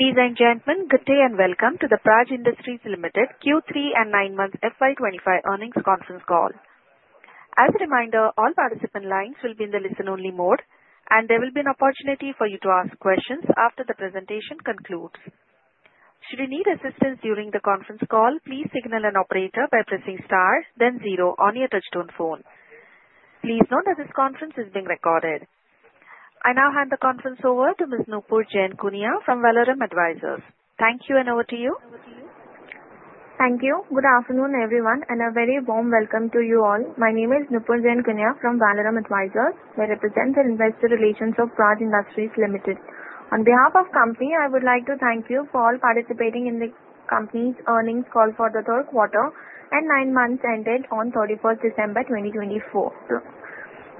Ladies and gentlemen, good day and welcome to the Praj Industries Limited Q3 and 9-month FY2025 Earnings Conference call. As a reminder, all participant lines will be in the listen-only mode, and there will be an opportunity for you to ask questions after the presentation concludes. Should you need assistance during the conference call, please signal an operator by pressing star, then zero on your touch-tone phone. Please note that this conference is being recorded. I now hand the conference over to Ms. Nupur Jain Kunia from Valorem Advisors. Thank you, and over to you. Thank you. Good afternoon, everyone, and a very warm welcome to you all. My name is Nupur Jain Kunia from Valorem Advisors. I represent the investor relations of Praj Industries Limited. On behalf of the company, I would like to thank you for all participating in the company's earnings call for the third quarter, and nine months ended on 31st December 2024.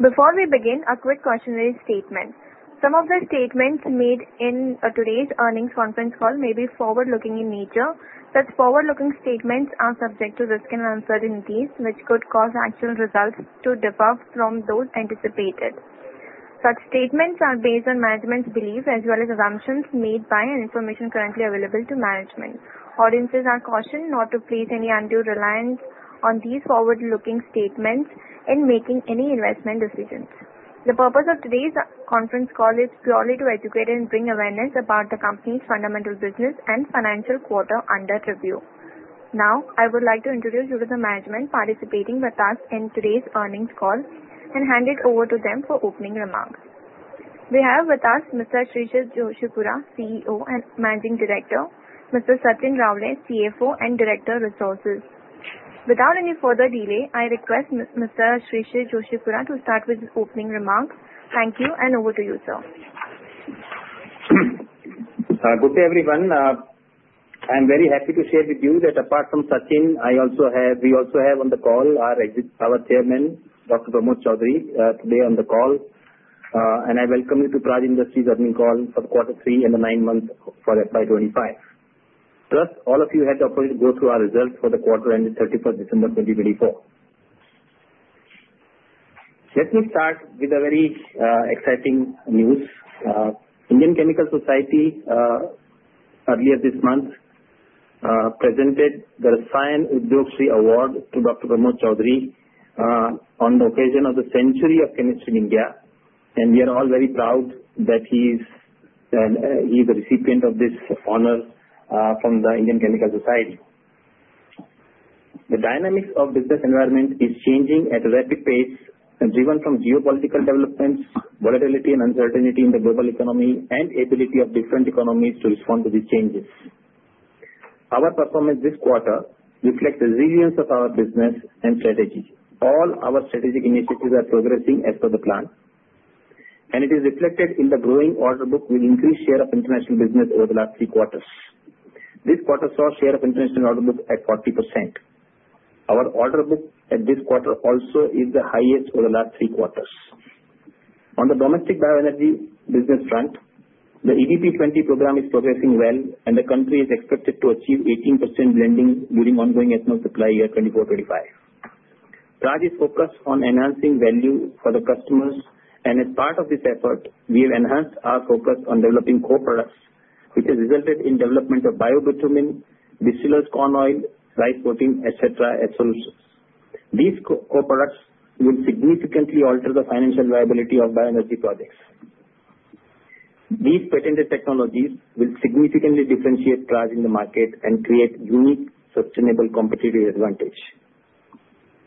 Before we begin, a quick cautionary statement. Some of the statements made in today's earnings conference call may be forward-looking in nature. Such forward-looking statements are subject to risk and uncertainties, which could cause actual results to differ from those anticipated. Such statements are based on management's beliefs as well as assumptions made by and information currently available to management. Audiences are cautioned not to place any undue reliance on these forward-looking statements in making any investment decisions. The purpose of today's conference call is purely to educate and bring awareness about the company's fundamental business and financial quarter under review. Now, I would like to introduce you to the management participating with us in today's earnings call and hand it over to them for opening remarks. We have with us to start with his opening remarks. Thank you, and over to you, sir. Good day, everyone. I'm very happy to share with you that apart from Sachin, we also have on the call our chairman, Dr. Pramod Chaudhari, today on the call, and I welcome you to Praj Industries' earnings call for quarter three and the nine months for FY2025. Plus, all of you had the opportunity to go through our results for the quarter ended 31st December 2024. Let me start with a very exciting news. Indian Chemical Society earlier this month presented the Rasayan Udyog Ratna Award to Dr. Pramod Chaudhari on the occasion of the centenary of chemistry in India, and we are all very proud that he's the recipient of this honor from the Indian Chemical Society. The dynamics of the business environment are changing at a rapid pace, driven by geopolitical developments, volatility and uncertainty in the global economy, and the ability of different economies to respond to these changes. Our performance this quarter reflects the resilience of our business and strategy. All our strategic initiatives are progressing as per the plan, and it is reflected in the growing order book with an increased share of international business over the last three quarters. This quarter saw a share of international order book at 40%. Our order book at this quarter also is the highest over the last three quarters. On the domestic bioenergy business front, the E20 program is progressing well, and the country is expected to achieve 18% blending during ongoing ethanol supply year 24-25. Praj is focused on enhancing value for the customers, and as part of this effort, we have enhanced our focus on developing co-products, which has resulted in the development of bio-bitumen, distillers' corn oil, rice protein, etc., as solutions. These co-products will significantly alter the financial viability of bioenergy projects. These patented technologies will significantly differentiate Praj in the market and create a unique, sustainable competitive advantage.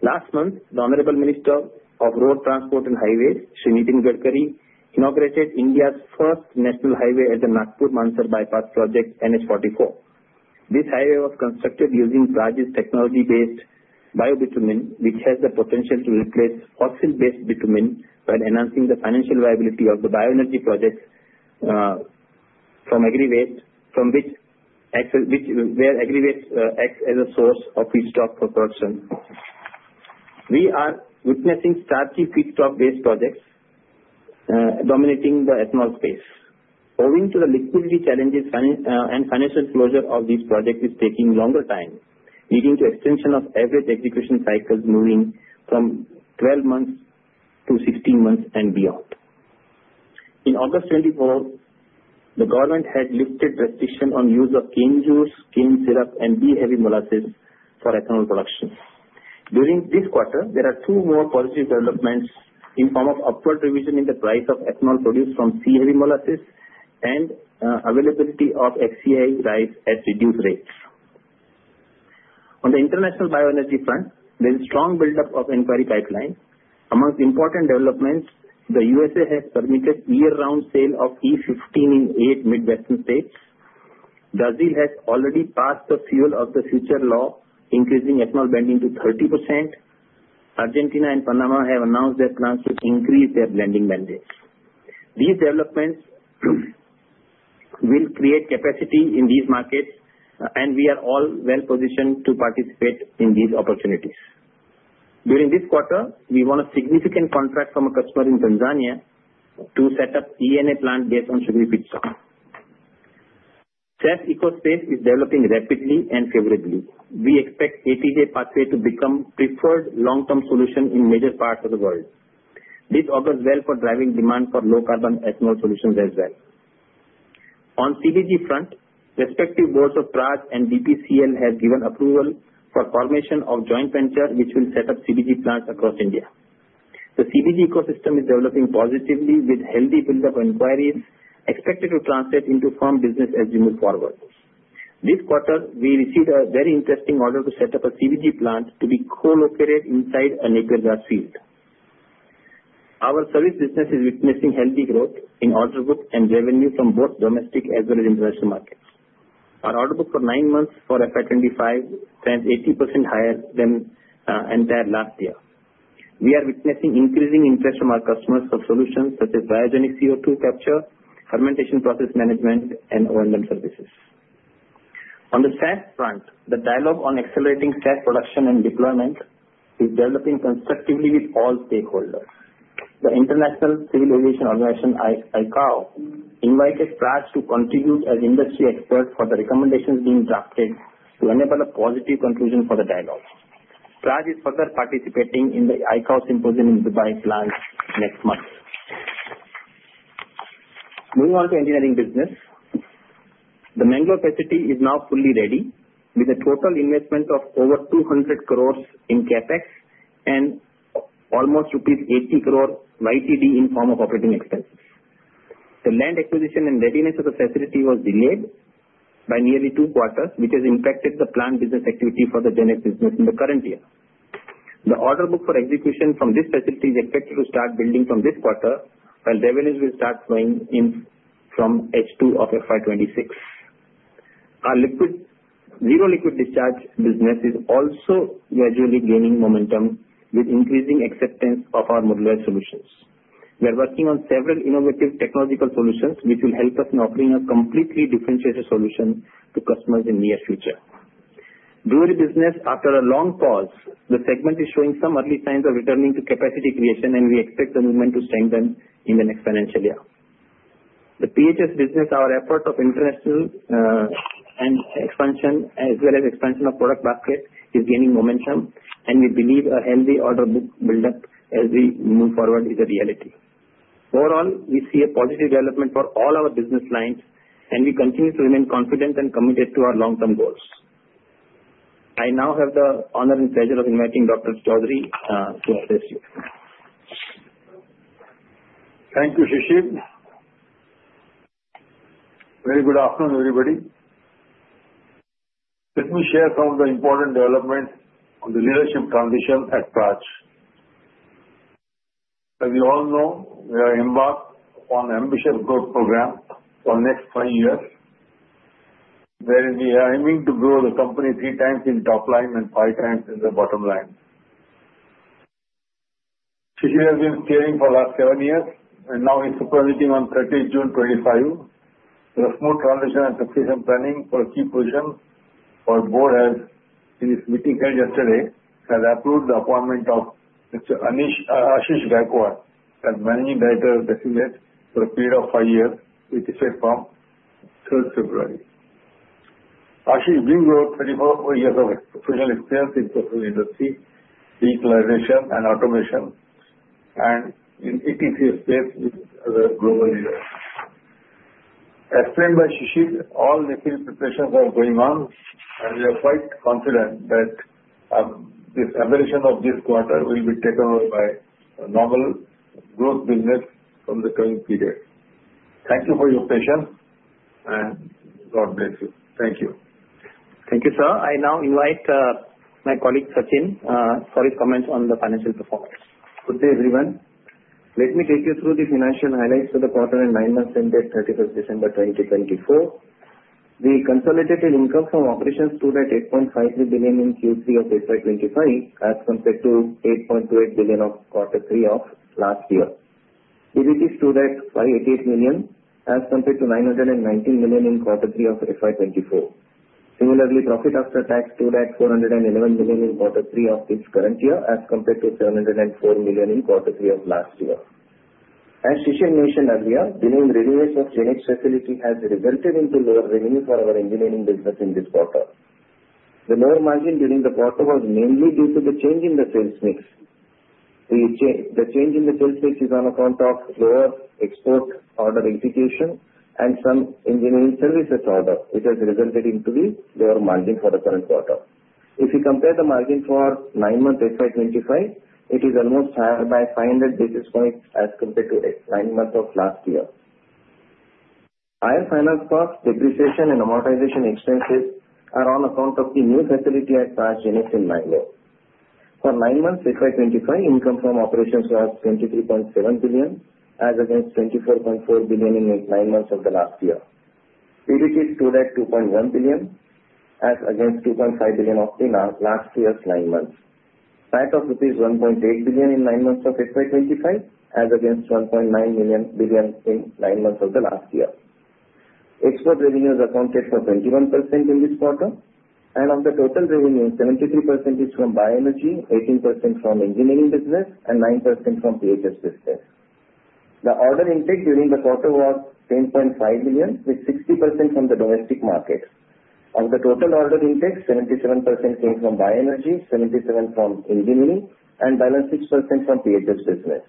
Last month, the Honorable Minister of Road Transport and Highways, Nitin Gadkari, inaugurated India's first national highway at the Nagpur-Mansar Bypass Project, NH-44. This highway was constructed using Praj's technology-based bio-bitumen, which has the potential to replace fossil-based bitumen while enhancing the financial viability of the bioenergy projects from aggregate, where aggregate acts as a source of feedstock for production. We are witnessing starchy feedstock-based projects dominating the ethanol space. Owing to the liquidity challenges and financial closure of these projects is taking longer time, leading to the extension of average execution cycles moving from 12 months to 16 months and beyond. In August 2024, the government had lifted restrictions on the use of cane juice, cane syrup, and B-heavy molasses for ethanol production. During this quarter, there are two more positive developments in the form of upward revision in the price of ethanol produced from B-heavy molasses and availability of FCI rice at reduced rates. On the international bioenergy front, there is a strong buildup of inquiry pipelines. Among the important developments, the U.S. has permitted year-round sale of E15 in eight Midwestern states. Brazil has already passed the Fuel of the Future law, increasing ethanol blending to 30%. Argentina and Panama have announced their plans to increase their blending mandates. These developments will create capacity in these markets, and we are all well-positioned to participate in these opportunities. During this quarter, we won a significant contract from a customer in Tanzania to set up an ENA plant based on sugary feedstock. SAF ecospace is developing rapidly and favorably. We expect ATJ pathway to become a preferred long-term solution in major parts of the world. This augurs well for driving demand for low-carbon ethanol solutions as well. On the CBG front, respective boards of Praj and BPCL have given approval for the formation of a joint venture, which will set up CBG plants across India. The CBG ecosystem is developing positively with a healthy buildup of inquiries expected to translate into firm business as we move forward. This quarter, we received a very interesting order to set up a CBG plant to be co-located inside a Napier grass field. Our service business is witnessing healthy growth in order book and revenue from both domestic as well as international markets. Our order book for nine months for FY2025 stands 80% higher than the entire last year. We are witnessing increasing interest from our customers for solutions such as Biogenic CO2 capture, fermentation process management, and oil and services. On the SAF front, the dialogue on accelerating SAF production and deployment is developing constructively with all stakeholders. The International Civil Aviation Organization, ICAO, invited Praj to contribute as an industry expert for the recommendations being drafted to enable a positive conclusion for the dialogue. Praj is further participating in the ICAO symposium in Dubai planned next month. Moving on to engineering business, the Mangalore facility is now fully ready with a total investment of over 200 crores in CapEx and almost rupees 80 crores YTD in the form of operating expenses. The land acquisition and readiness of the facility was delayed by nearly two quarters, which has impacted the plant business activity for the GenX business in the current year. The order book for execution from this facility is expected to start building from this quarter, while revenues will start flowing in from H2 of FY2026. Our Zero Liquid Discharge business is also gradually gaining momentum with increasing acceptance of our modular solutions. We are working on several innovative technological solutions, which will help us in offering a completely differentiated solution to customers in the near future. Brewery business, after a long pause, the segment is showing some early signs of returning to capacity creation, and we expect the movement to strengthen in the next financial year. The PHS business, our effort of international expansion as well as expansion of product basket, is gaining momentum, and we believe a healthy order book buildup as we move forward is a reality. Overall, we see a positive development for all our business lines, and we continue to remain confident and committed to our long-term goals. I now have the honor and pleasure of inviting Dr. Chaudhari to address you. Thank you, Shishir. Very good afternoon, everybody. Let me share some of the important developments on the leadership transition at Praj. As you all know, we are embarked on an ambitious growth program for the next five years, wherein we are aiming to grow the company three times in the top line and five times in the bottom line. Shishir has been steering for the last seven years, and now he's superannuating on 30th June 2025. The smooth transition and succession planning for key positions, the board has, in its meeting held yesterday, approved the appointment of Ashish Gaikwad as Managing Director of Praj for a period of five years, which is set from 3rd February. Ashish brings over 34 years of professional experience in the industrial utilities and automation, and in the EPC space, he is a global leader. As explained by Shishir, all the necessary preparations are going on, and we are quite confident that the evolution of this quarter will be taken over by normal growth business from the coming period. Thank you for your patience, and God bless you. Thank you. Thank you, sir. I now invite my colleague Sachin for his comments on the financial performance. Good day, everyone. Let me take you through the financial highlights for the quarter and nine months ended 31st December 2024. The consolidated income from operations stood at 8.53 billion in Q3 of FY2025 as compared to 8.28 billion of quarter three of last year. EBITDA stood at 588 million as compared to 919 million in quarter three of FY24. Similarly, profit after tax stood at 411 million in quarter three of this current year as compared to 704 million in quarter three of last year. As Shishir mentioned earlier, the billing readiness of the GenX facility has resulted in lower revenue for our engineering business in this quarter. The lower margin during the quarter was mainly due to the change in the sales mix. The change in the sales mix is on account of lower export order execution and some engineering services order, which has resulted in lower margin for the current quarter. If we compare the margin for nine months FY2025, it is almost higher by 500 basis points as compared to nine months of last year. Higher finance costs, depreciation, and amortization expenses are on account of the new facility at Praj GenX in Mangalore. For nine months FY2025, income from operations was 23.7 billion as against 24.4 billion in nine months of the last year. EBITDA stood at 2.1 billion as against 2.5 billion of the last year's nine months. Net of rupees 1.8 billion in nine months of FY2025 as against 1.9 billion in nine months of the last year. Export revenues accounted for 21% in this quarter, and of the total revenue, 73% is from bioenergy, 18% from engineering business, and 9% from PHS business. The order intake during the quarter was 10.5 billion, with 60% from the domestic market. Of the total order intake, 77% came from bioenergy, 77% from engineering, and balance 6% from PHS business.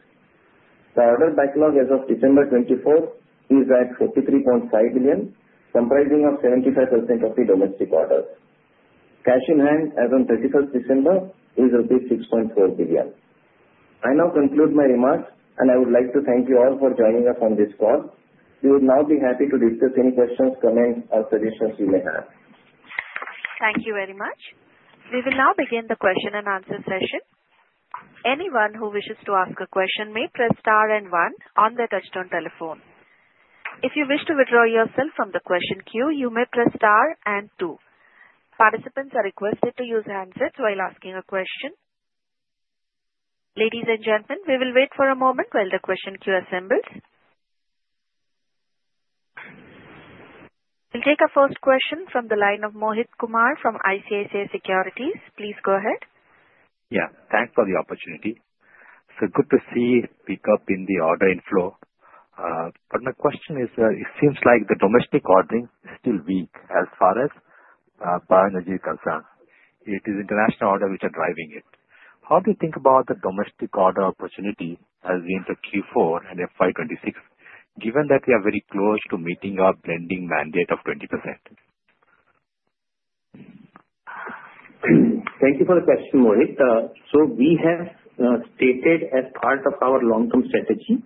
The order backlog as of December 24 is at 43.5 billion, comprising 75% of the domestic orders. Cash in hand as of 31st December is rupees 6.4 billion. I now conclude my remarks, and I would like to thank you all for joining us on this call. We would now be happy to discuss any questions, comments, or suggestions you may have. Thank you very much. We will now begin the question and answer session. Anyone who wishes to ask a question may press star and one on the touchtone telephone. If you wish to withdraw yourself from the question queue, you may press star and two. Participants are requested to use handsets while asking a question. Ladies and gentlemen, we will wait for a moment while the question queue assembles. We'll take a first question from the line of Mohit Kumar from ICICI Securities. Please go ahead. Yeah, thanks for the opportunity. So good to see pickup in the order inflow. But my question is, it seems like the domestic ordering is still weak as far as bioenergy is concerned. It is international order which are driving it. How do you think about the domestic order opportunity as we enter Q4 and FY2026, given that we are very close to meeting our blending mandate of 20%? Thank you for the question, Mohit. We have stated as part of our long-term strategy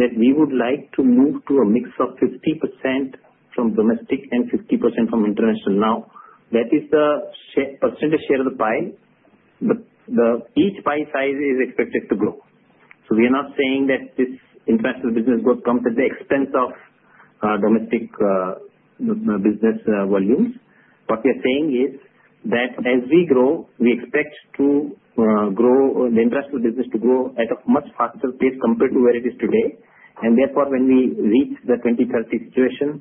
that we would like to move to a mix of 50% from domestic and 50% from international now. That is the percentage share of the pie, but each pie size is expected to grow. We are not saying that this international business growth comes at the expense of domestic business volumes. What we are saying is that as we grow, we expect the international business to grow at a much faster pace compared to where it is today. Therefore, when we reach the 2030 situation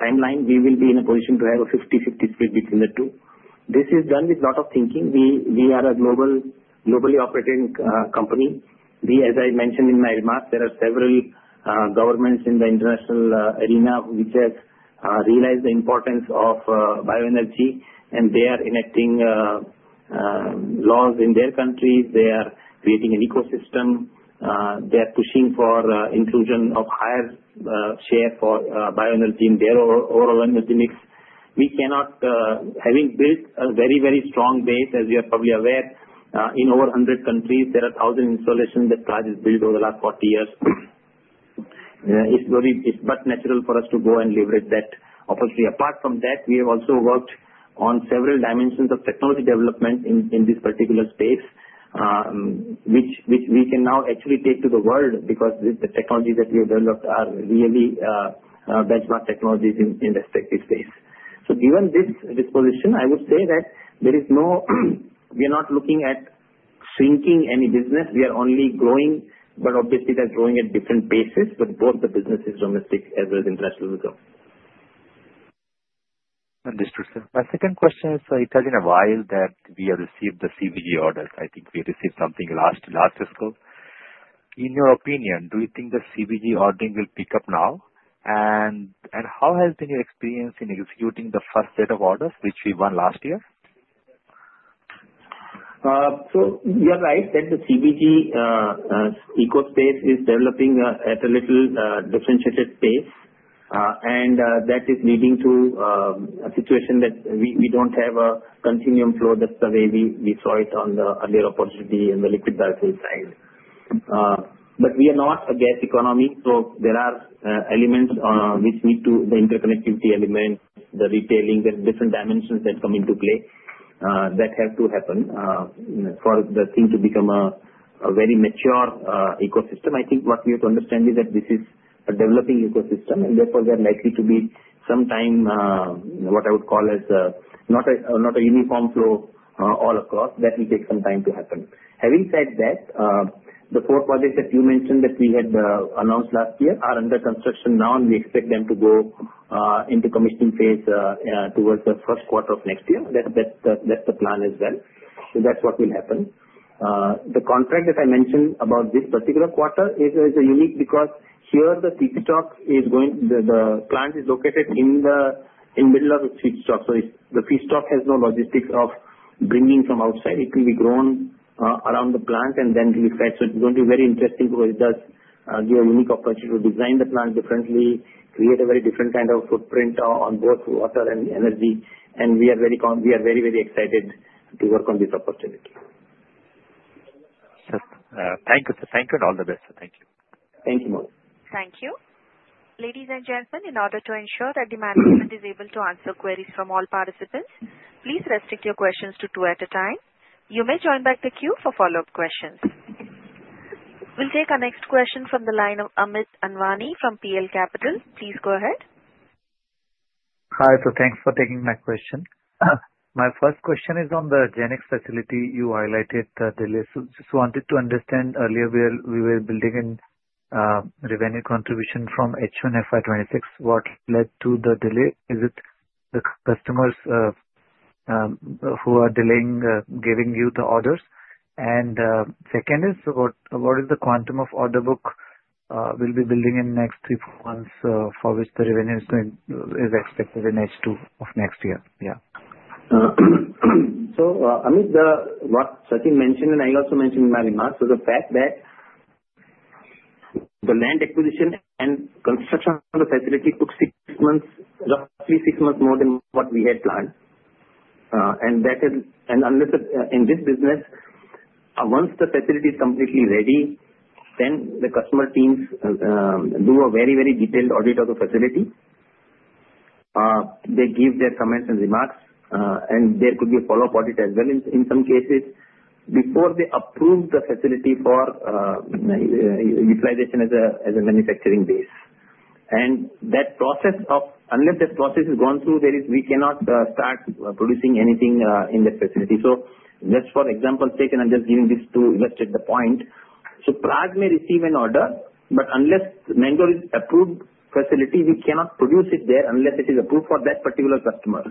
timeline, we will be in a position to have a 50%-50% split between the two. This is done with a lot of thinking. We are a globally operating company. As I mentioned in my remarks, there are several governments in the international arena which have realized the importance of bioenergy, and they are enacting laws in their countries. They are creating an ecosystem. They are pushing for inclusion of a higher share for bioenergy in their overall energy mix. We cannot, having built a very, very strong base, as you are probably aware, in over 100 countries, there are 1,000 installations that Praj has built over the last 40 years. It's but natural for us to go and leverage that opportunity. Apart from that, we have also worked on several dimensions of technology development in this particular space, which we can now actually take to the world because the technologies that we have developed are really benchmark technologies in the respective space. So given this disposition, I would say that there is no, we are not looking at shrinking any business. We are only growing, but obviously, that's growing at different paces with both the businesses domestic as well as international. Understood, sir. My second question is, it has been a while that we have received the CBG orders. I think we received something last fiscal. In your opinion, do you think the CBG ordering will pick up now? And how has been your experience in executing the first set of orders, which we won last year? So you're right that the CBG ecospace is developing at a little differentiated pace, and that is leading to a situation that we don't have a continuum flow. That's the way we saw it on the earlier opportunity in the liquid biofuel side. But we are not a gas economy, so there are elements which need to, the interconnectivity elements, the retailing, the different dimensions that come into play that have to happen for the thing to become a very mature ecosystem. I think what we have to understand is that this is a developing ecosystem, and therefore, there likely to be some time what I would call as not a uniform flow all across. That will take some time to happen. Having said that, the four projects that you mentioned that we had announced last year are under construction now, and we expect them to go into commissioning phase towards the first quarter of next year. That's the plan as well. So that's what will happen. The contract that I mentioned about this particular quarter is unique because here, the feedstock is going, the plant is located in the middle of the feedstock. So the feedstock has no logistics of bringing from outside. It will be grown around the plant, and then refreshed. So it's going to be very interesting because it does give a unique opportunity to design the plant differently, create a very different kind of footprint on both water and energy, and we are very, very excited to work on this opportunity. Thank you, sir. Thank you, and all the best. Thank you. Thank you. Ladies and gentlemen, in order to ensure that the management is able to answer queries from all participants, please restrict your questions to two at a time. You may join back the queue for follow-up questions. We'll take our next question from the line of Amit Anwani from PL Capital. Please go ahead. Hi, sir. Thanks for taking my question. My first question is on the GenX facility you highlighted the delay. So just wanted to understand earlier we were building in revenue contribution from H1 FY2026. What led to the delay? Is it the customers who are delaying giving you the orders? And second is, what is the quantum of order book we'll be building in the next three months for which the revenue is expected in H2 of next year? Yeah. So Amit, what Sachin mentioned, and I also mentioned in my remarks, was the fact that the land acquisition and construction of the facility took six months, roughly six months more than what we had planned. And in this business, once the facility is completely ready, then the customer teams do a very, very detailed audit of the facility. They give their comments and remarks, and there could be a follow-up audit as well in some cases before they approve the facility for utilization as a manufacturing base. And that process, unless that process is gone through, we cannot start producing anything in the facility. So just for example's sake, and I'm just giving this to illustrate the point, so Praj may receive an order, but unless Mangalore is an approved facility, we cannot produce it there unless it is approved for that particular customer.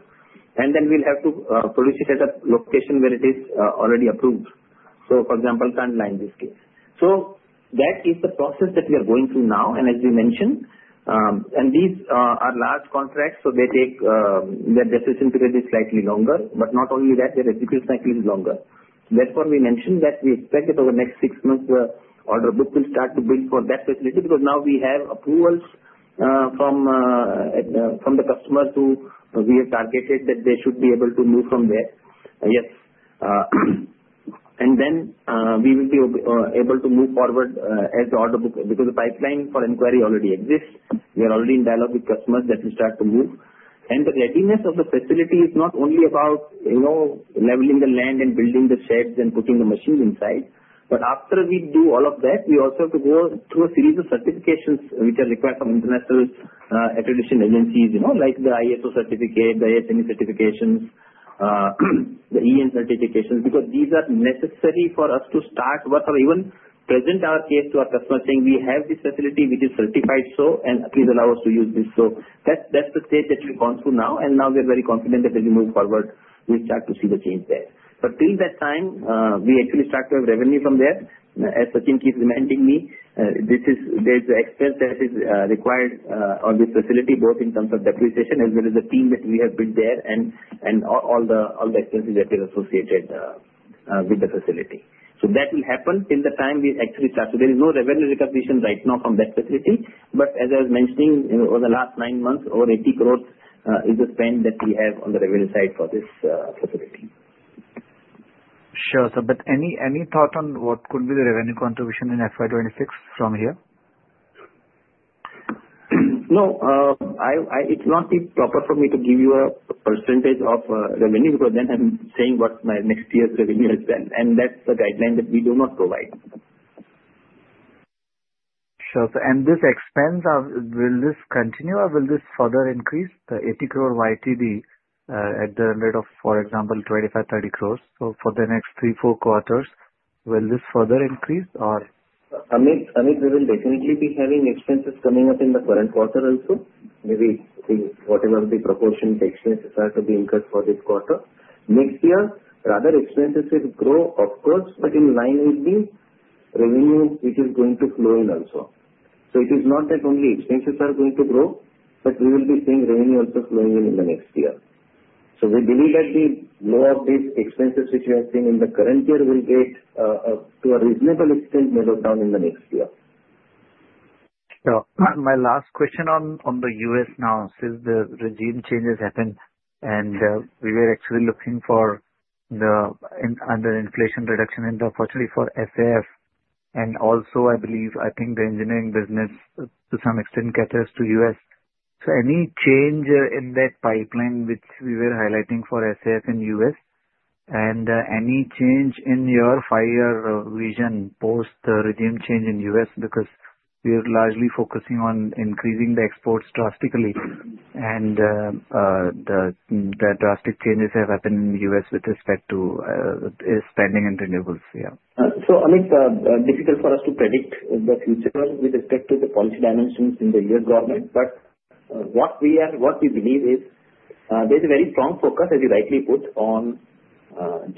And then we'll have to produce it at a location where it is already approved. So for example, Kandla in this case. So that is the process that we are going through now, and as we mentioned, and these are large contracts, so their decision period is slightly longer. But not only that, their execution cycle is longer. Therefore, we mentioned that we expect that over the next six months, the order book will start to build for that facility because now we have approvals from the customers who we have targeted that they should be able to move from there. Yes. And then we will be able to move forward as the order book because the pipeline for inquiry already exists. We are already in dialogue with customers that we start to move. And the readiness of the facility is not only about leveling the land and building the sheds and putting the machines inside, but after we do all of that, we also have to go through a series of certifications which are required from international accreditation agencies like the ISO certificate, the ASME certifications, the EN certifications because these are necessary for us to start work or even present our case to our customers saying, "We have this facility which is certified, so please allow us to use this." So that's the stage that we've gone through now, and now we are very confident that as we move forward, we start to see the change there. But till that time, we actually start to have revenue from there. As Sachin keeps reminding me, there's an expense that is required on this facility, both in terms of depreciation as well as the team that we have built there and all the expenses that are associated with the facility. So that will happen till the time we actually start. So there is no revenue recognition right now from that facility, but as I was mentioning, over the last nine months, over 80 crores is the spend that we have on the revenue side for this facility. Sure, sir. But any thought on what could be the revenue contribution in FY2026 from here? No. It's not proper for me to give you a percentage of revenue because then I'm saying what my next year's revenue has been, and that's the guideline that we do not provide. Sure, and this expense, will this continue or will this further increase the 80 crore YTD at the rate of, for example, 25, 30 crores? So for the next three, four quarters, will this further increase or? Amit, we will definitely be having expenses coming up in the current quarter also. Maybe whatever the proportion of the expenses are to be incurred for this quarter. Next year, rather expenses will grow, of course, but in line with the revenue which is going to flow in also. So it is not that only expenses are going to grow, but we will be seeing revenue also flowing in in the next year. So we believe that the more of these expenses which we have seen in the current year will get to a reasonable extent narrowed down in the next year. My last question on the U.S. now. Since the regime changes happened, and we were actually looking for the inflation reduction in the opportunity for SAF, and also, I believe, I think the engineering business to some extent caters to U.S. So any change in that pipeline which we were highlighting for SAF in the U.S., and any change in your five-year vision post the regime change in the U.S. because we are largely focusing on increasing the exports drastically, and the drastic changes have happened in the U.S. with respect to spending and renewables. Yeah. So, Amit, difficult for us to predict the future with respect to the policy dimensions in the U.S. government, but what we believe is there's a very strong focus, as you rightly put, on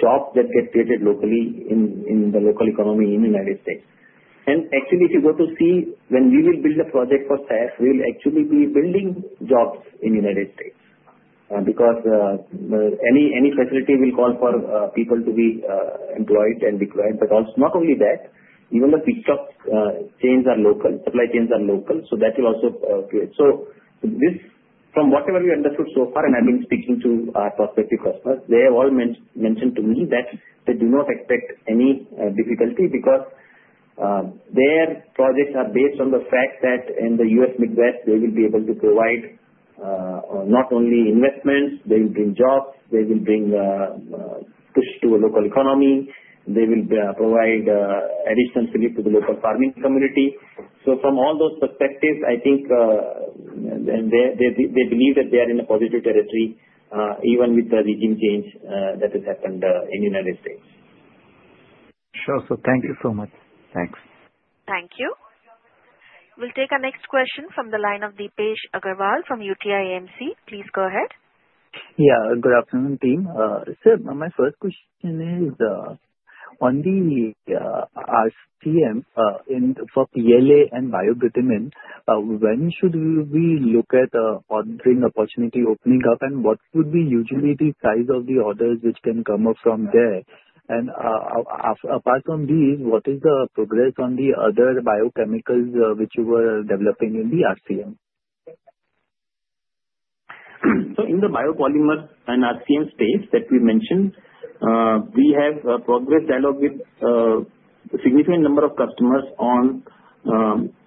jobs that get created locally in the local economy in the United States. And actually, if you go to see when we will build a project for SAF, we'll actually be building jobs in the United States because any facility will call for people to be employed and deployed. But not only that, even the feedstock chains are local, supply chains are local, so that will also create. So from whatever we understood so far, and I've been speaking to our prospective customers, they have all mentioned to me that they do not expect any difficulty because their projects are based on the fact that in the U.S. Midwest, they will be able to provide not only investments, they will bring jobs, they will bring push to a local economy, they will provide additional relief to the local farming community. So from all those perspectives, I think they believe that they are in a positive territory even with the regime change that has happened in the United States. Sure. So thank you so much. Thanks. Thank you. We'll take our next question from the line of Deepesh Agarwal from UTI AMC. Please go ahead. Yeah. Good afternoon, team. Sir, my first question is, on the RCM for PLA and Bio-Glutamine, when should we look at the ordering opportunity opening up, and what would be usually the size of the orders which can come up from there? And apart from these, what is the progress on the other biochemicals which you were developing in the RCM? So in the biopolymers and RCM space that we mentioned, we have progressed dialogue with a significant number of customers on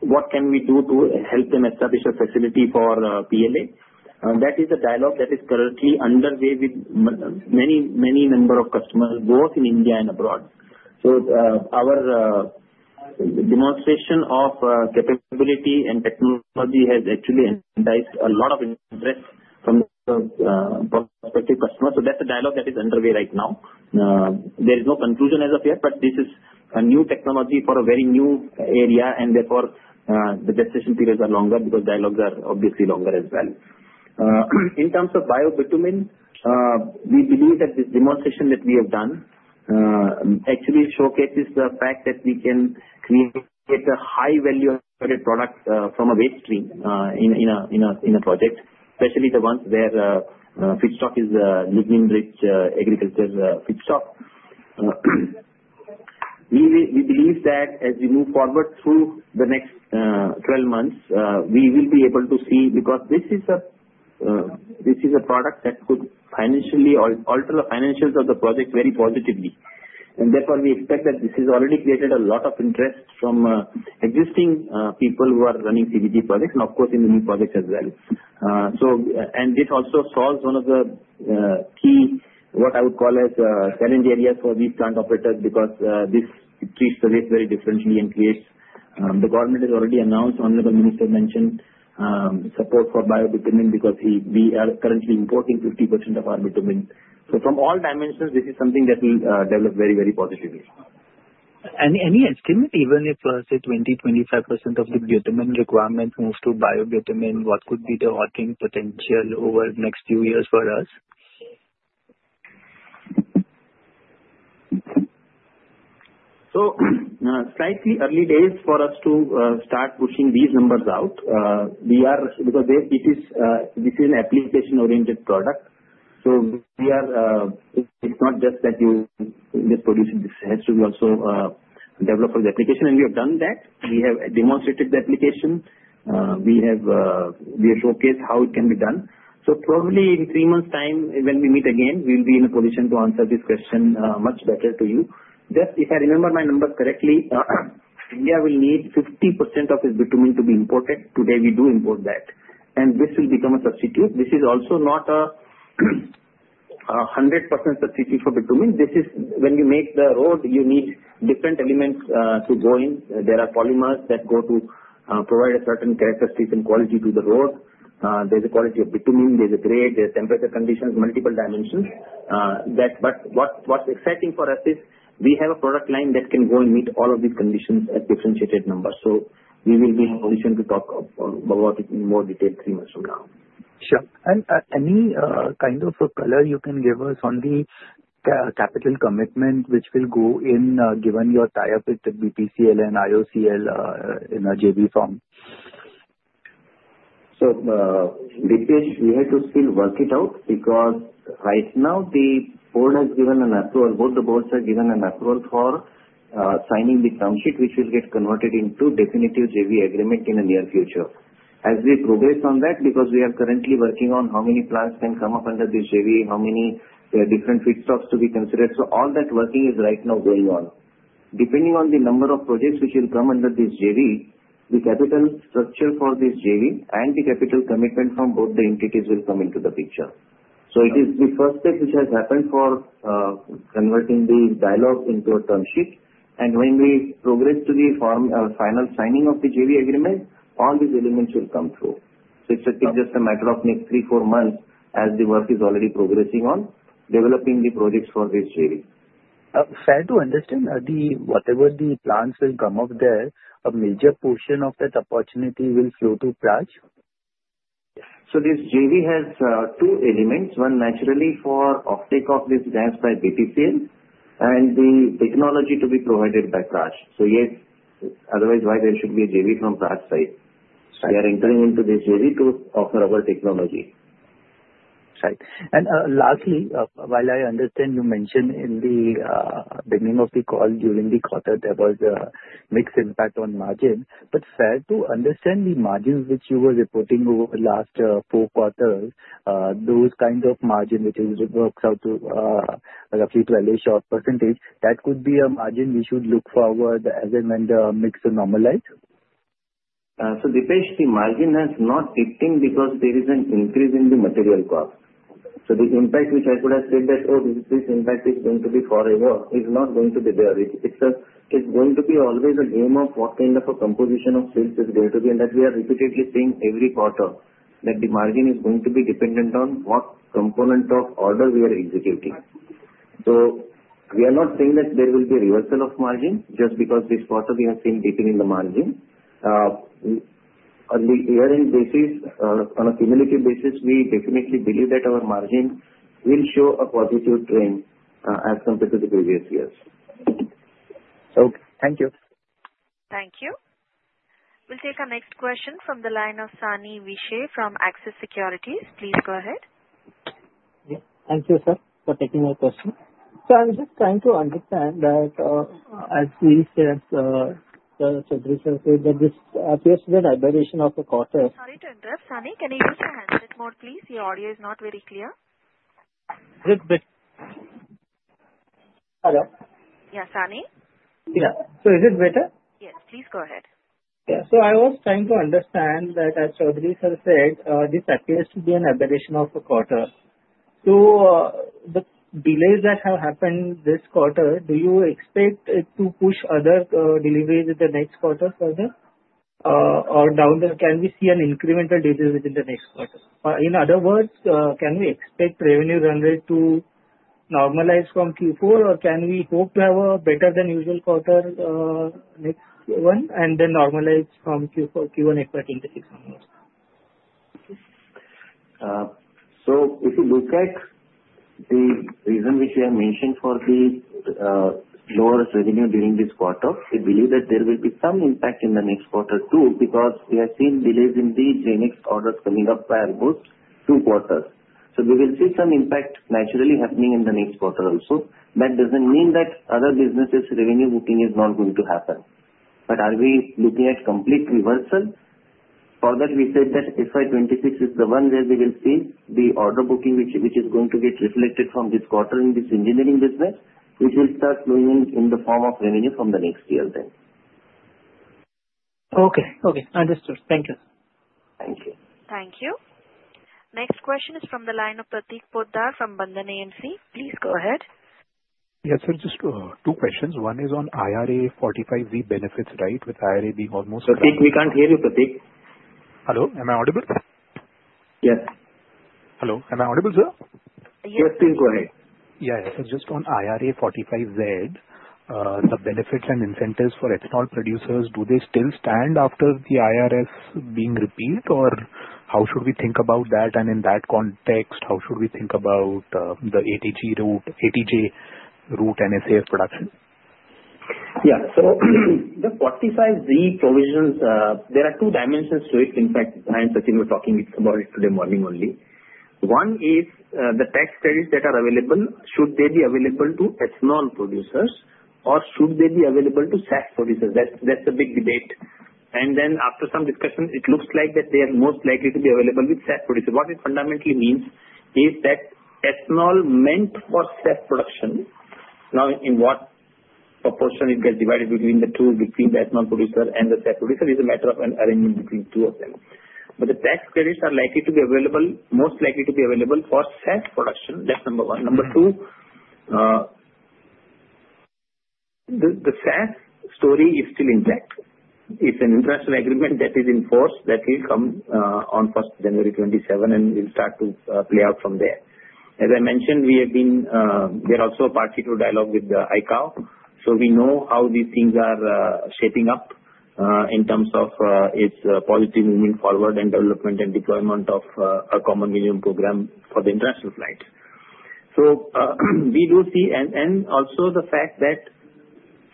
what can we do to help them establish a facility for PLA. That is a dialogue that is currently underway with many, many number of customers, both in India and abroad. So our demonstration of capability and technology has actually enticed a lot of interest from the prospective customers. So that's a dialogue that is underway right now. There is no conclusion as of yet, but this is a new technology for a very new area, and therefore, the gestation periods are longer because dialogues are obviously longer as well. In terms of Bio-Glutamine, we believe that this demonstration that we have done actually showcases the fact that we can create a high-value-added product from a waste stream in a project, especially the ones where feedstock is lignin-rich agriculture feedstock. We believe that as we move forward through the next 12 months, we will be able to see because this is a product that could financially alter the financials of the project very positively, and therefore, we expect that this has already created a lot of interest from existing people who are running CBG projects and, of course, in the new projects as well. This also solves one of the key, what I would call as, challenge areas for these plant operators because this treats the waste very differently and creates. The government has already announced, Honorable Minister mentioned, support for BioGlutamine because we are currently importing 50% of our glutamine. From all dimensions, this is something that will develop very, very positively. Any estimate, even if, say, 20%-25% of the glutamine requirement moves to Bio-Glutamine, what could be the ordering potential over the next few years for us? Slightly early days for us to start pushing these numbers out because this is an application-oriented product. So it's not just that you just produce it. This has to be also developed for the application, and we have done that. We have demonstrated the application. We have showcased how it can be done. So probably in three months' time, when we meet again, we'll be in a position to answer this question much better to you. Just if I remember my numbers correctly, India will need 50% of its bitumen to be imported. Today, we do import that. And this will become a substitute. This is also not a 100% substitute for bitumen. This is when you make the road, you need different elements to go in. There are polymers that go to provide a certain characteristics and quality to the road. There's a quality of bitumen. There's a grade. There's temperature conditions, multiple dimensions. But what's exciting for us is we have a product line that can go and meet all of these conditions at differentiated numbers. So we will be in a position to talk about it in more detail three months from now. Sure. And any kind of a color you can give us on the capital commitment which will go in given your tie-up with the BPCL and IOCL in the JV form? So Deepesh, we have to still work it out because right now, the board has given an approval. Both the boards have given an approval for signing the term sheet, which will get converted into definitive JV agreement in the near future. As we progress on that, because we are currently working on how many plants can come up under this JV, how many different feedstocks to be considered. So all that working is right now going on. Depending on the number of projects which will come under this JV, the capital structure for this JV and the capital commitment from both the entities will come into the picture. So it is the first step which has happened for converting the dialogue into a term sheet. And when we progress to the final signing of the JV agreement, all these elements will come through. So it's just a matter of next three, four months as the work is already progressing on developing the projects for this JV. Fair to understand, whatever the plants will come up there, a major portion of that opportunity will flow to Praj? So this JV has two elements. One, naturally, for offtake of this gas by BPCL and the technology to be provided by Praj. So yes, otherwise, why there should be a JV from Praj's side? We are entering into this JV to offer our technology. Right. And lastly, while I understand you mentioned in the beginning of the call during the quarter, there was a mixed impact on margin. But fair to understand, the margins which you were reporting over the last four quarters, those kinds of margin which works out roughly to a very short percentage, that could be a margin we should look forward as and when the mix normalize? So Deepesh, the margin has not dipped in because there is an increase in the material cost. So the impact which I could have said that, "Oh, this impact is going to be forever," is not going to be there. It's going to be always a game of what kind of a composition of sales is going to be. And that we are repeatedly seeing every quarter that the margin is going to be dependent on what component of order we are executing. So we are not saying that there will be a reversal of margin just because this quarter we have seen dipping in the margin. On the year-end basis, on a cumulative basis, we definitely believe that our margin will show a positive trend as compared to the previous years. Okay. Thank you. Thank you. We'll take our next question from the line of Sani Vishe from Axis Securities. Please go ahead. Thank you, sir, for taking my question. So I'm just trying to understand that, as we said, this appears to be a liberation of a quarter. Sorry to interrupt. Sani, can you use your handset mode, please? Your audio is not very clear. Is it better? Hello? Yeah. Sani? Yeah. So is it better? Yes. Please go ahead. Yeah. So I was trying to understand that, as Chaudhari sir said, this appears to be an aberration of a quarter. So the delays that have happened this quarter, do you expect it to push other deliveries in the next quarter further? Or can we see an incremental delay within the next quarter? In other words, can we expect revenue run rate to normalize from Q4, or can we hope to have a better-than-usual quarter next one and then normalize from Q1, Q2, Q3? So if you look at the reason which we have mentioned for the lower revenue during this quarter, we believe that there will be some impact in the next quarter too because we have seen delays in the GenX orders coming up by almost two quarters. So we will see some impact naturally happening in the next quarter also. That doesn't mean that other businesses' revenue booking is not going to happen. But are we looking at complete reversal? For that, we said that FY2026 is the one where we will see the order booking which is going to get reflected from this quarter in this engineering business, which will start flowing in the form of revenue from the next year then. Okay. Okay. Understood. Thank you. Thank you. Thank you. Next question is from the line of Prateek Poddar from Bandhan AMC. Please go ahead. Yes, sir. Just two questions. One is on IRA 45Z benefits, right, with IRA being almost. Prateek, we can't hear you, Prateek. Hello. Am I audible? Yes. Hello. Am I audible, sir? Yes. Please go ahead. Yeah. It's just on IRA 45Z, the benefits and incentives for ethanol producers, do they still stand after the IRA being repealed, or how should we think about that? And in that context, how should we think about the ATJ route and SAF production? Yeah, so the 45Z provisions, there are two dimensions to it. In fact, I am sitting here talking about it today morning only. One is the tax credits that are available. Should they be available to ethanol producers, or should they be available to SAF producers? That's the big debate, and then, after some discussion, it looks like that they are most likely to be available with SAF producers. What it fundamentally means is that ethanol meant for SAF production, now in what proportion it gets divided between the two, between the ethanol producer and the SAF producer, is a matter of an arrangement between two of them, but the tax credits are likely to be available, most likely to be available for SAF production. That's number one. Number two, the SAF story is still intact. It's an international agreement that is enforced that will come on 1st January 2027, and we'll start to play out from there. As I mentioned, we have been there also a particular dialogue with ICAO. So we know how these things are shaping up in terms of its positive movement forward and development and deployment of a common minimum program for the international flight. So we do see, and also the fact that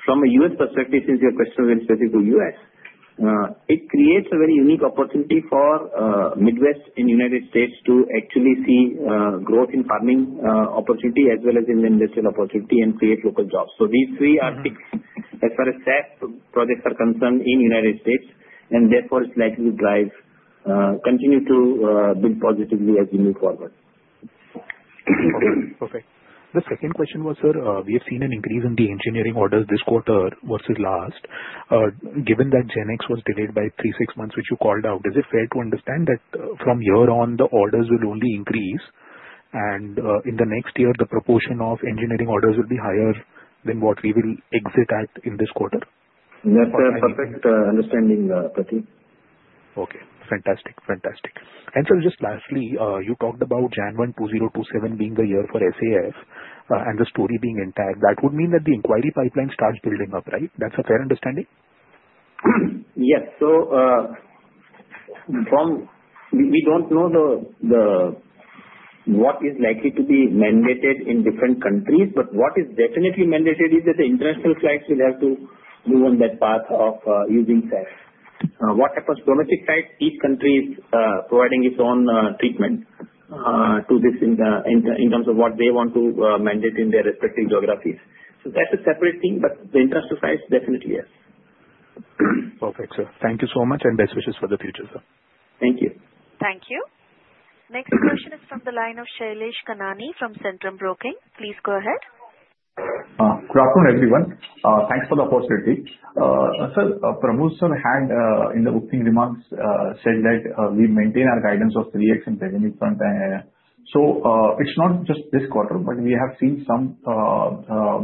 from a U.S. perspective, since your question is specific to U.S., it creates a very unique opportunity for Midwest and United States to actually see growth in farming opportunity as well as in the industrial opportunity and create local jobs. So these three are fixed as far as SAF projects are concerned in United States, and therefore it's likely to drive continue to build positively as we move forward. Okay. The second question was, sir, we have seen an increase in the engineering orders this quarter versus last. Given that GenX was delayed by three, six months, which you called out, is it fair to understand that from here on, the orders will only increase, and in the next year, the proportion of engineering orders will be higher than what we will exit at in this quarter? That's a perfect understanding, Prateek. Okay. Fantastic. Fantastic. And sir, just lastly, you talked about January 2027 being the year for SAF and the story being intact. That would mean that the inquiry pipeline starts building up, right? That's a fair understanding? Yes. So we don't know what is likely to be mandated in different countries, but what is definitely mandated is that the international flights will have to move on that path of using SAF. What happens to domestic side, each country is providing its own treatment to this in terms of what they want to mandate in their respective geographies. So that's a separate thing, but the international side, definitely yes. Perfect, sir. Thank you so much, and best wishes for the future, sir. Thank you. Thank you. Next question is from the line of Shailesh Kanani from Centrum Broking. Please go ahead. Good afternoon, everyone. Thanks for the opportunity. Sir, Pramod sir had in the opening remarks said that we maintain our guidance of 3X in revenue front. So it's not just this quarter, but we have seen some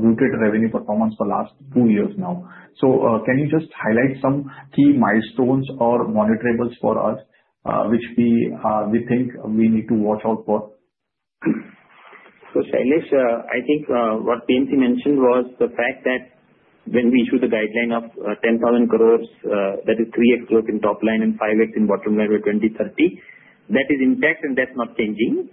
muted revenue performance for the last two years now. So can you just highlight some key milestones or monitorables for us which we think we need to watch out for? Shailesh, I think what PMC mentioned was the fact that when we issued the guideline of 10,000 crores, that is 3X growth in top line and 5X in bottom line by 2030, that is intact, and that's not changing.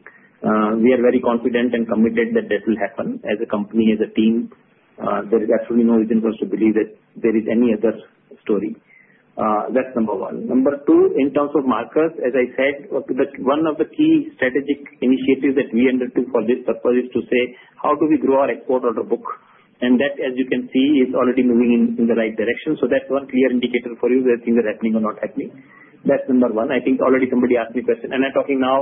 We are very confident and committed that that will happen as a company, as a team. There is absolutely no reason for us to believe that there is any other story. That's number one. Number two, in terms of markers, as I said, one of the key strategic initiatives that we undertook for this purpose is to say, "How do we grow our export order book?" And that, as you can see, is already moving in the right direction. So that's one clear indicator for you whether things are happening or not happening. That's number one. I think already somebody asked me a question. And I'm talking now,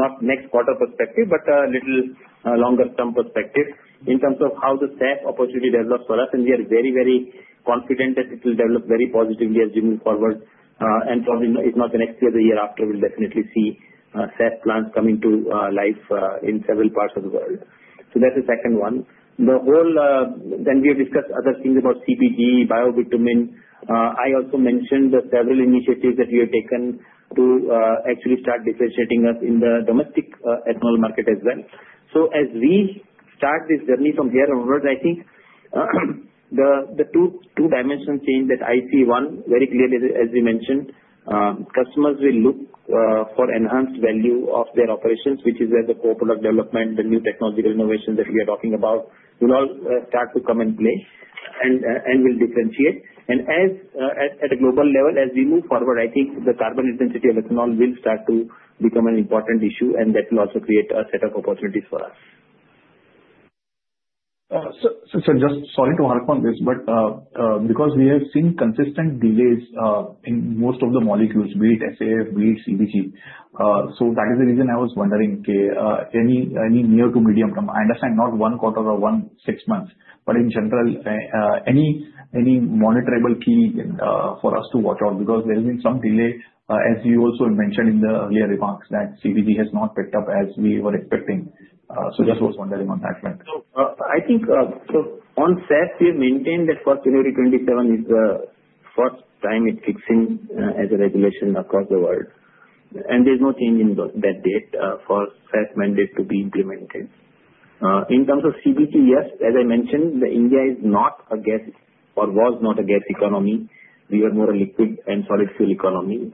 not next quarter perspective, but a little longer-term perspective in terms of how the SAF opportunity develops for us. We are very, very confident that it will develop very positively as we move forward. Probably if not the next year, the year after, we'll definitely see SAF plants coming to life in several parts of the world. That's the second one. Then we have discussed other things about CBG, bio-bitumen. I also mentioned several initiatives that we have taken to actually start differentiating us in the domestic ethanol market as well. As we start this journey from here onwards, I think the two dimensions change that I see. One, very clearly, as you mentioned, customers will look for enhanced value of their operations, which is where the co-product development, the new technological innovations that we are talking about will all start to come in play and will differentiate, and at a global level, as we move forward, I think the carbon intensity of ethanol will start to become an important issue, and that will also create a set of opportunities for us. Sir, just sorry to harp on this, but because we have seen consistent delays in most of the molecules, be it SAF, be it CBG. So that is the reason I was wondering, okay, any near to medium term? I understand not one quarter or one six months, but in general, any monitorable key for us to watch out because there has been some delay, as you also mentioned in the earlier remarks, that CBG has not picked up as we were expecting. So just was wondering on that front. So I think on SAF, we have maintained that for January 2027 is the first time it kicks in as a regulation across the world. And there's no change in that date for SAF mandate to be implemented. In terms of CBG, yes, as I mentioned, India is not a gas economy or was not a gas economy. We are more a liquid and solid fuel economy.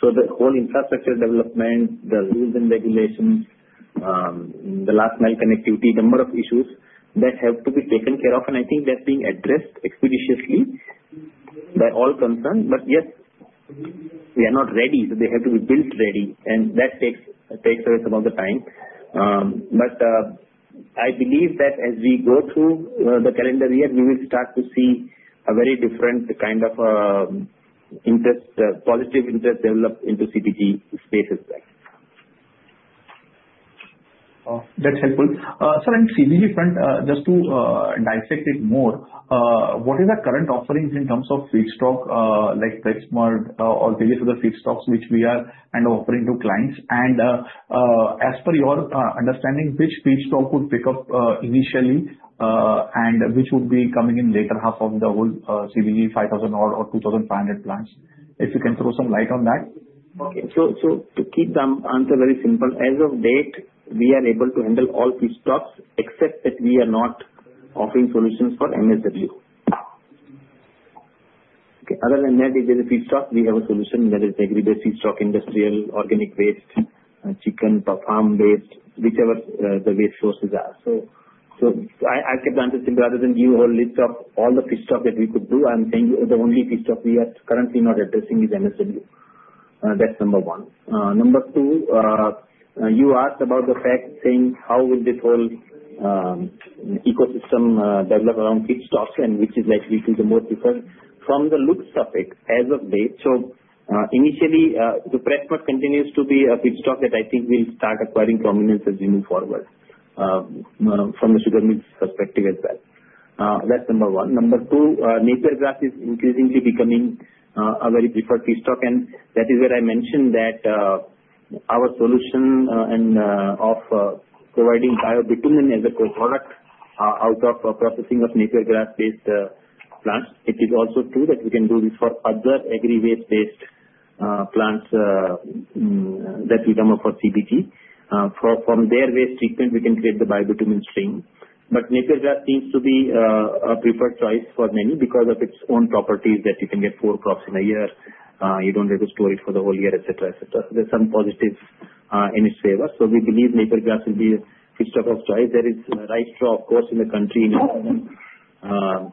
So the whole infrastructure development, the rules and regulations, the last mile connectivity, a number of issues that have to be taken care of. And I think that's being addressed expeditiously by all concerned. But yes, we are not ready. So they have to be built ready. And that takes a bit of time. But I believe that as we go through the calendar year, we will start to see a very different kind of positive interest develop into CBG space. That's helpful. Sir, on CBG front, just to dissect it more, what are the current offerings in terms of feedstock like pressmud or various other feedstocks which we are kind of offering to clients? And as per your understanding, which feedstock would pick up initially and which would be coming in later half of the whole CBG 5,000 or 2,500 plants? If you can throw some light on that. Okay. So to keep the answer very simple, as of date, we are able to handle all feedstocks except that we are not offering solutions for MSW. Okay. Other than that, if there's a feedstock, we have a solution that is agri-based feedstock, industrial, organic waste, chicken, farm-based, whichever the waste sources are. So I'll keep the answer simple. Rather than give you a whole list of all the feedstocks that we could do, I'm saying the only feedstock we are currently not addressing is MSW. That's number one. Number two, you asked about the fact saying how will this whole ecosystem develop around feedstocks and which is likely to be the most preferred. From the looks of it, as of date, so initially, the pressmud continues to be a feedstock that I think will start acquiring prominence as we move forward from the sugar mills' perspective as well. That's number one. Number two, Napier grass is increasingly becoming a very preferred feedstock, and that is where I mentioned that our solution of providing bio-bitumen as a co-product out of processing of Napier grass-based plants. It is also true that we can do this for other agri-based plants that we come up for CBG. From their waste treatment, we can create the bio-bitumen stream, but Napier grass seems to be a preferred choice for many because of its own properties that you can get four crops in a year. You don't have to store it for the whole year, etc., etc. There's some positives in its favor, so we believe Napier grass will be a feedstock of choice. There is rice straw, of course, in the country in itself.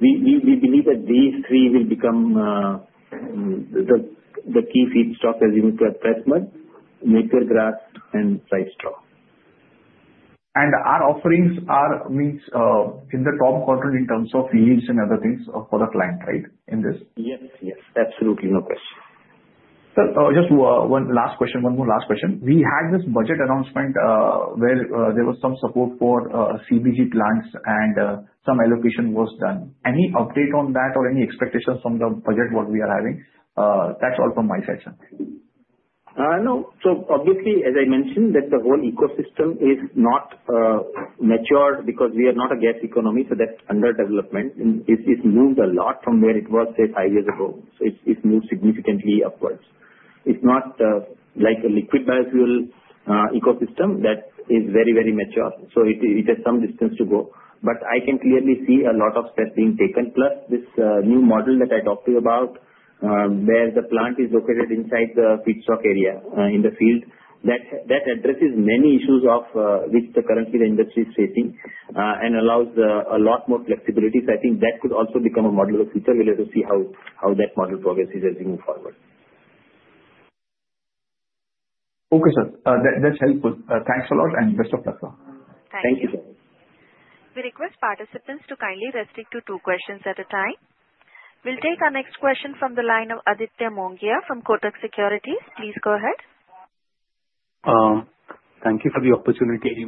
We believe that these three will become the key feedstock as we move towards pressmud, Napier grass, and rice straw. Our offerings are in the top quadrant in terms of yields and other things for the client, right, in this? Yes. Yes. Absolutely. No question. Sir, just one last question. One more last question. We had this budget announcement where there was some support for CBG plants and some allocation was done. Any update on that or any expectations from the budget what we are having? That's all from my side, sir. No. So obviously, as I mentioned, that the whole ecosystem is not mature because we are not a gas economy. So that's under development. It's moved a lot from where it was, say, five years ago. So it's moved significantly upwards. It's not like a liquid biofuel ecosystem that is very, very mature. So it has some distance to go. But I can clearly see a lot of steps being taken. Plus, this new model that I talked to you about where the plant is located inside the feedstock area in the field, that addresses many issues of which currently the industry is facing and allows a lot more flexibility. So I think that could also become a model of future. We'll have to see how that model progresses as we move forward. Okay, sir. That's helpful. Thanks a lot and best of luck, sir. Thank you. Thank you, sir. We request participants to kindly restrict to two questions at a time. We'll take our next question from the line of Aditya Mongia from Kotak Securities. Please go ahead. Thank you for the opportunity.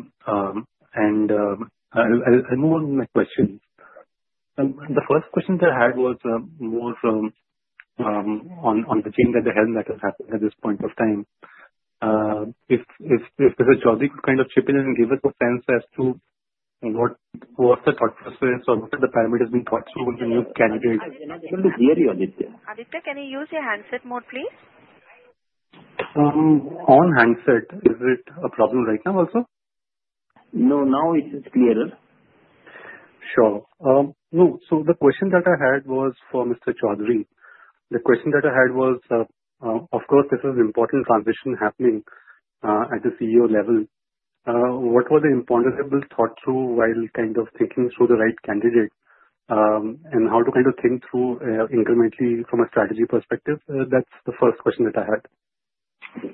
And I'll move on to my questions. The first question that I had was more on the change at the helm that has happened at this point of time. If Mr. Joshi could kind of chip in and give us a sense as to what was the thought process or what are the parameters being thought through with the new candidate. Can you hear me, Aditya? Aditya, can you use your handset mode, please? On handset. Is it a problem right now also? No, now it is clearer. Sure. No, so the question that I had was for Mr. Chaudhari. The question that I had was, of course, there's an important transition happening at the CEO level. What were the employers thought through while kind of thinking through the right candidate and how to kind of think through incrementally from a strategy perspective? That's the first question that I had.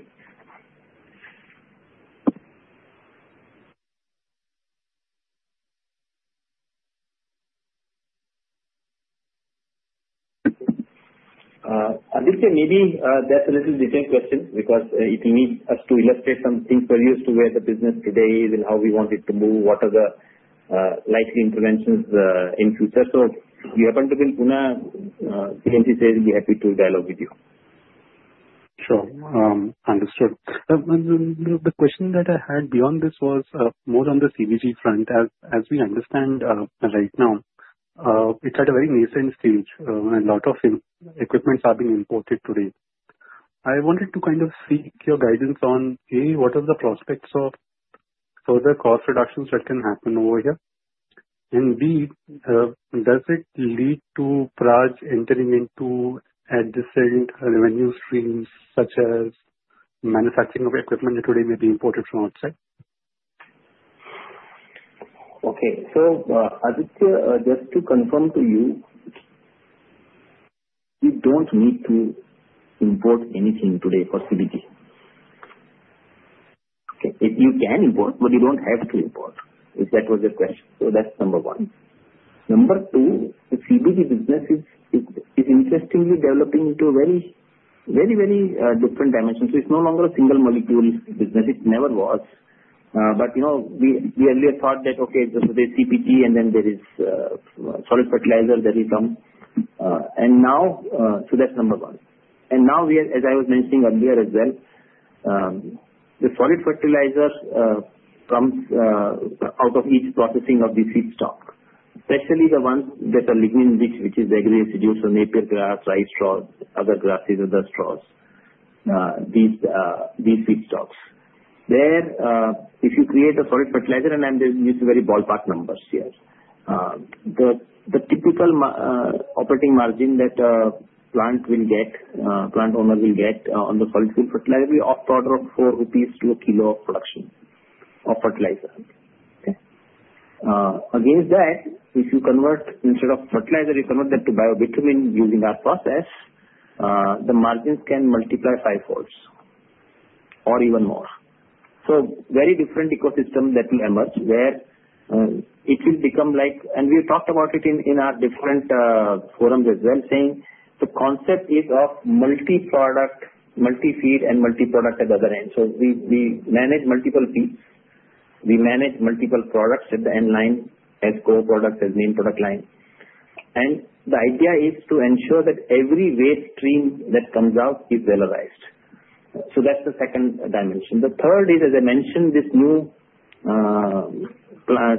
Aditya, maybe that's a little detailed question because it will need us to illustrate some things for you as to where the business today is and how we want it to move, what are the likely interventions in future. So if you happen to be in Pune, PMC says, "We'll be happy to dialogue with you. Sure. Understood. The question that I had beyond this was more on the CBG front. As we understand right now, it's at a very nascent stage when a lot of equipment are being imported today. I wanted to kind of seek your guidance on, A, what are the prospects of further cost reductions that can happen over here? And B, does it lead to Praj entering into adjacent revenue streams such as manufacturing of equipment that today may be imported from outside? Okay. So, Aditya, just to confirm to you, you don't need to import anything today for CBG. Okay. You can import, but you don't have to import. If that was the question. So that's number one. Number two, the CBG business is interestingly developing into a very, very, very different dimension. So it's no longer a single molecule business. It never was. But we earlier thought that, okay, there's CBG, and then there is solid fertilizer that we come. And now, so that's number one. And now, as I was mentioning earlier as well, the solid fertilizer comes out of each processing of the feedstock, especially the ones that are lignin-rich, which is the agri-residuals, so Napier grass, rice straw, other grasses, other straws, these feedstocks. There, if you create a solid fertilizer, and I'm using very ballpark numbers here, the typical operating margin that a plant will get, plant owner will get on the solid fuel fertilizer will be off the order of 4 rupees to a kilo of production of fertilizer. Okay. Against that, if you convert instead of fertilizer, you convert that to bio-bitumen using our process, the margins can multiply fivefold or even more. So very different ecosystem that will emerge where it will become like, and we've talked about it in our different forums as well, saying the concept is of multi-product, multi-feed, and multi-product at the other end. So we manage multiple feeds. We manage multiple products at the end line as co-products, as main product line. And the idea is to ensure that every waste stream that comes out is valorized. So that's the second dimension. The third is, as I mentioned, this new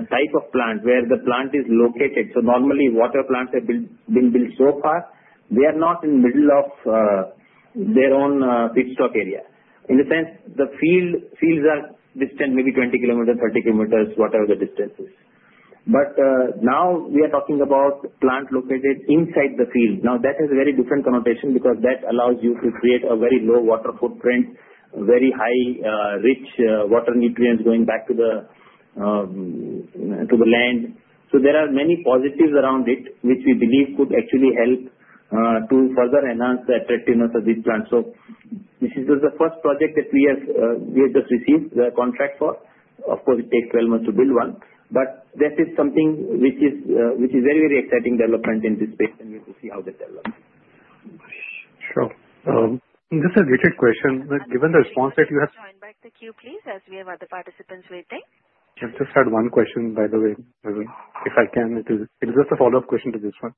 type of plant where the plant is located. So normally, other plants have been built so far. They are not in the middle of their own feedstock area. In a sense, the fields are distant, maybe 20 kilometers, 30 kilometers, whatever the distance is. But now we are talking about plant located inside the field. Now, that has a very different connotation because that allows you to create a very low water footprint, very nutrient-rich water going back to the land. So there are many positives around it, which we believe could actually help to further enhance the attractiveness of these plants. So this is the first project that we have just received the contract for. Of course, it takes 12 months to build one. But that is something which is very, very exciting development in this space, and we have to see how that develops. Sure. This is a legit question. Given the response that you have. Could you join back the queue, please, as we have other participants waiting? I just had one question, by the way. If I can, it is just a follow-up question to this one.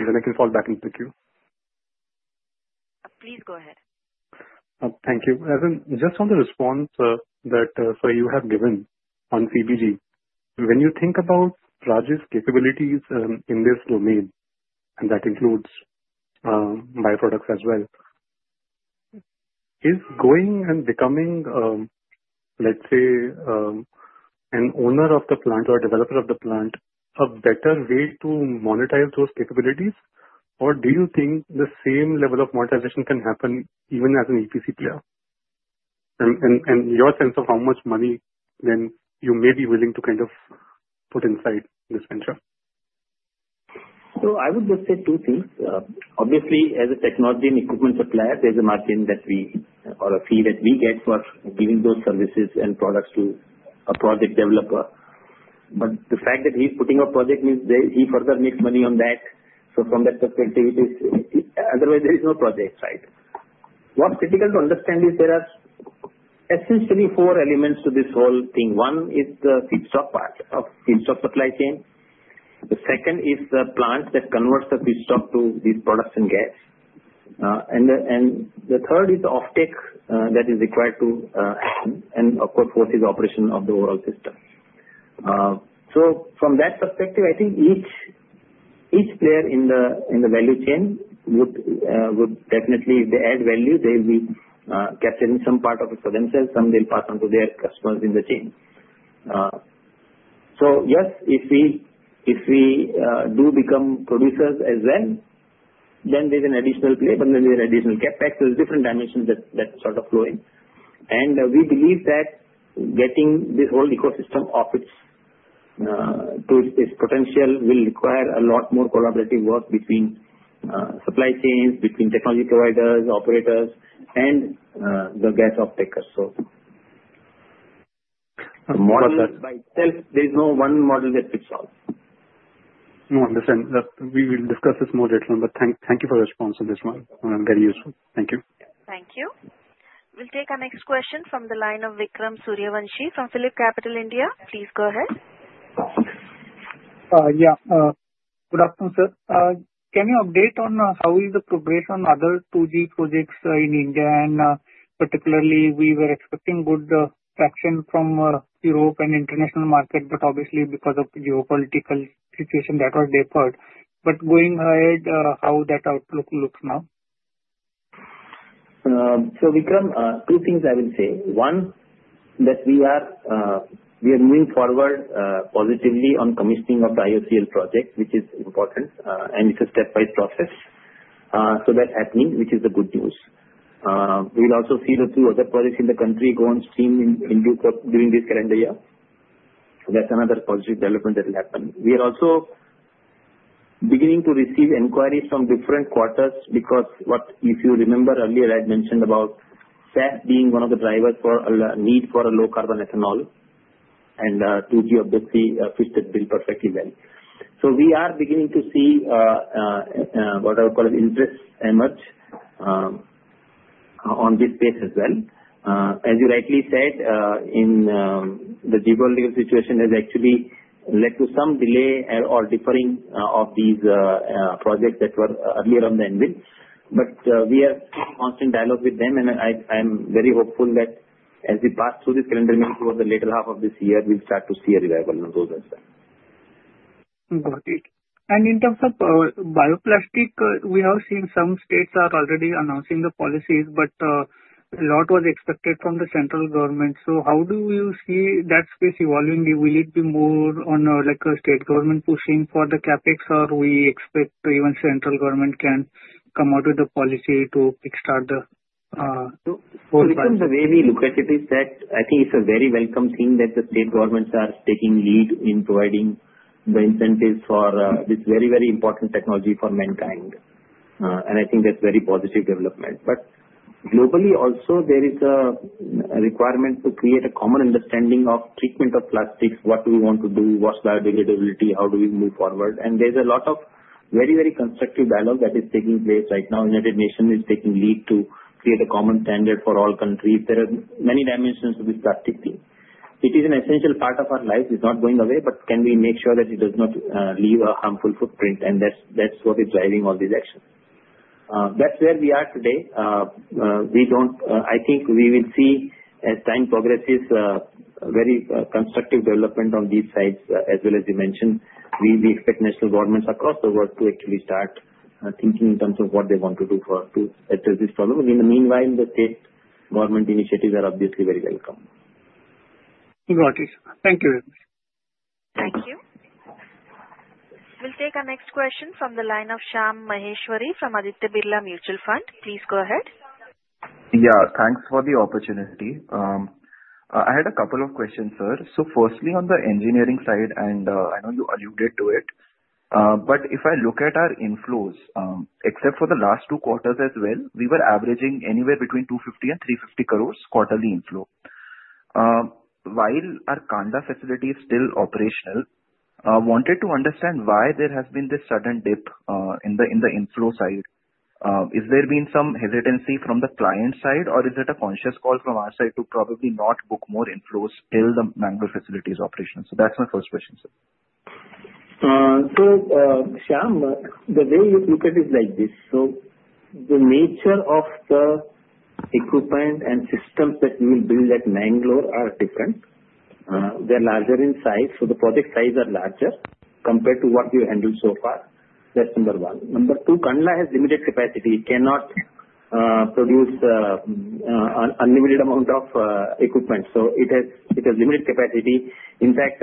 Then I can fall back into the queue. Please go ahead. Thank you. Just on the response that you have given on CBG, when you think about Praj's capabilities in this domain, and that includes bioproducts as well, is going and becoming, let's say, an owner of the plant or a developer of the plant a better way to monetize those capabilities? Or do you think the same level of monetization can happen even as an EPC player? And your sense of how much money then you may be willing to kind of put inside this venture? So I would just say two things. Obviously, as a technology and equipment supplier, there's a margin that we or a fee that we get for giving those services and products to a project developer. But the fact that he's putting a project means he further makes money on that. So from that perspective, otherwise, there is no project, right? What's critical to understand is there are essentially four elements to this whole thing. One is the feedstock part of feedstock supply chain. The second is the plant that converts the feedstock to these products and gas. And the third is the offtake that is required to act. And of course, fourth is the operation of the overall system. So from that perspective, I think each player in the value chain would definitely, if they add value, they will be capturing some part of it for themselves. Some they'll pass on to their customers in the chain. So yes, if we do become producers as well, then there's an additional player, but then there's an additional CapEx. There's different dimensions that sort of flow in. And we believe that getting this whole ecosystem off its potential will require a lot more collaborative work between supply chains, between technology providers, operators, and the gas offtakers. So, model by itself, there is no one model that fits all. No, understand. We will discuss this more later. But thank you for your response on this one. Very useful. Thank you. Thank you. We'll take our next question from the line of Vikram Suryavanshi from PhillipCapital India. Please go ahead. Yeah. Good afternoon, sir. Can you update on how is the progress on other 2G projects in India? And particularly, we were expecting good action from Europe and international market, but obviously, because of geopolitical situation, that was deferred. But going ahead, how that outlook looks now? Vikram, so two things I will say. One, that we are moving forward positively on commissioning of the IOCL project, which is important, and it's a stepwise process. So that's happening, which is the good news. We'll also see the two other projects in the country go on stream in due course during this calendar year. That's another positive development that will happen. We are also beginning to receive inquiries from different quarters because if you remember earlier, I had mentioned about SAF being one of the drivers for a need for a low-carbon ethanol, and 2G obviously fits that bill perfectly well, so we are beginning to see what I would call an interest emerge on this space as well. As you rightly said, the geopolitical situation has actually led to some delay or deferring of these projects that were earlier on the anvil. But we have constant dialogue with them, and I'm very hopeful that as we pass through this calendar meeting towards the later half of this year, we'll start to see a revival on those as well. Got it. And in terms of bioplastic, we have seen some states are already announcing the policies, but a lot was expected from the central government. So how do you see that space evolving? Will it be more on a state government pushing for the CapEx, or we expect even central government can come out with the policy to kickstart the whole path? In terms of the way we look at it, I think it's a very welcome thing that the state governments are taking lead in providing the incentives for this very, very important technology for mankind. I think that's very positive development. But globally, also, there is a requirement to create a common understanding of treatment of plastics, what do we want to do? What's biodegradability? How do we move forward. There's a lot of very, very constructive dialogue that is taking place right now. The United Nations is taking lead to create a common standard for all countries. There are many dimensions to this plastic thing. It is an essential part of our life. It's not going away, but can we make sure that it does not leave a harmful footprint? That's what is driving all these actions. That's where we are today. I think we will see, as time progresses, very constructive development on these sides, as well as you mentioned. We expect national governments across the world to actually start thinking in terms of what they want to do to address this problem. In the meanwhile, the state government initiatives are obviously very welcome. Got it. Thank you very much. Thank you. We'll take our next question from the line of Shyam Maheshwari from Aditya Birla Mutual Fund. Please go ahead. Yeah. Thanks for the opportunity. I had a couple of questions, sir. So firstly, on the engineering side, and I know you alluded to it, but if I look at our inflows, except for the last two quarters as well, we were averaging anywhere between 250 crore-350 crore quarterly inflow. While our Kandla facility is still operational, I wanted to understand why there has been this sudden dip in the inflow side. Is there been some hesitancy from the client side, or is it a conscious call from our side to probably not book more inflows till the Mangalore facility is operational? So that's my first question, sir. Shyam, the way you look at it is like this. The nature of the equipment and systems that we will build at Mangalore are different. They're larger in size. The project sizes are larger compared to what we've handled so far. That's number one. Number two, Kandla has limited capacity. It cannot produce an unlimited amount of equipment. It has limited capacity. In fact,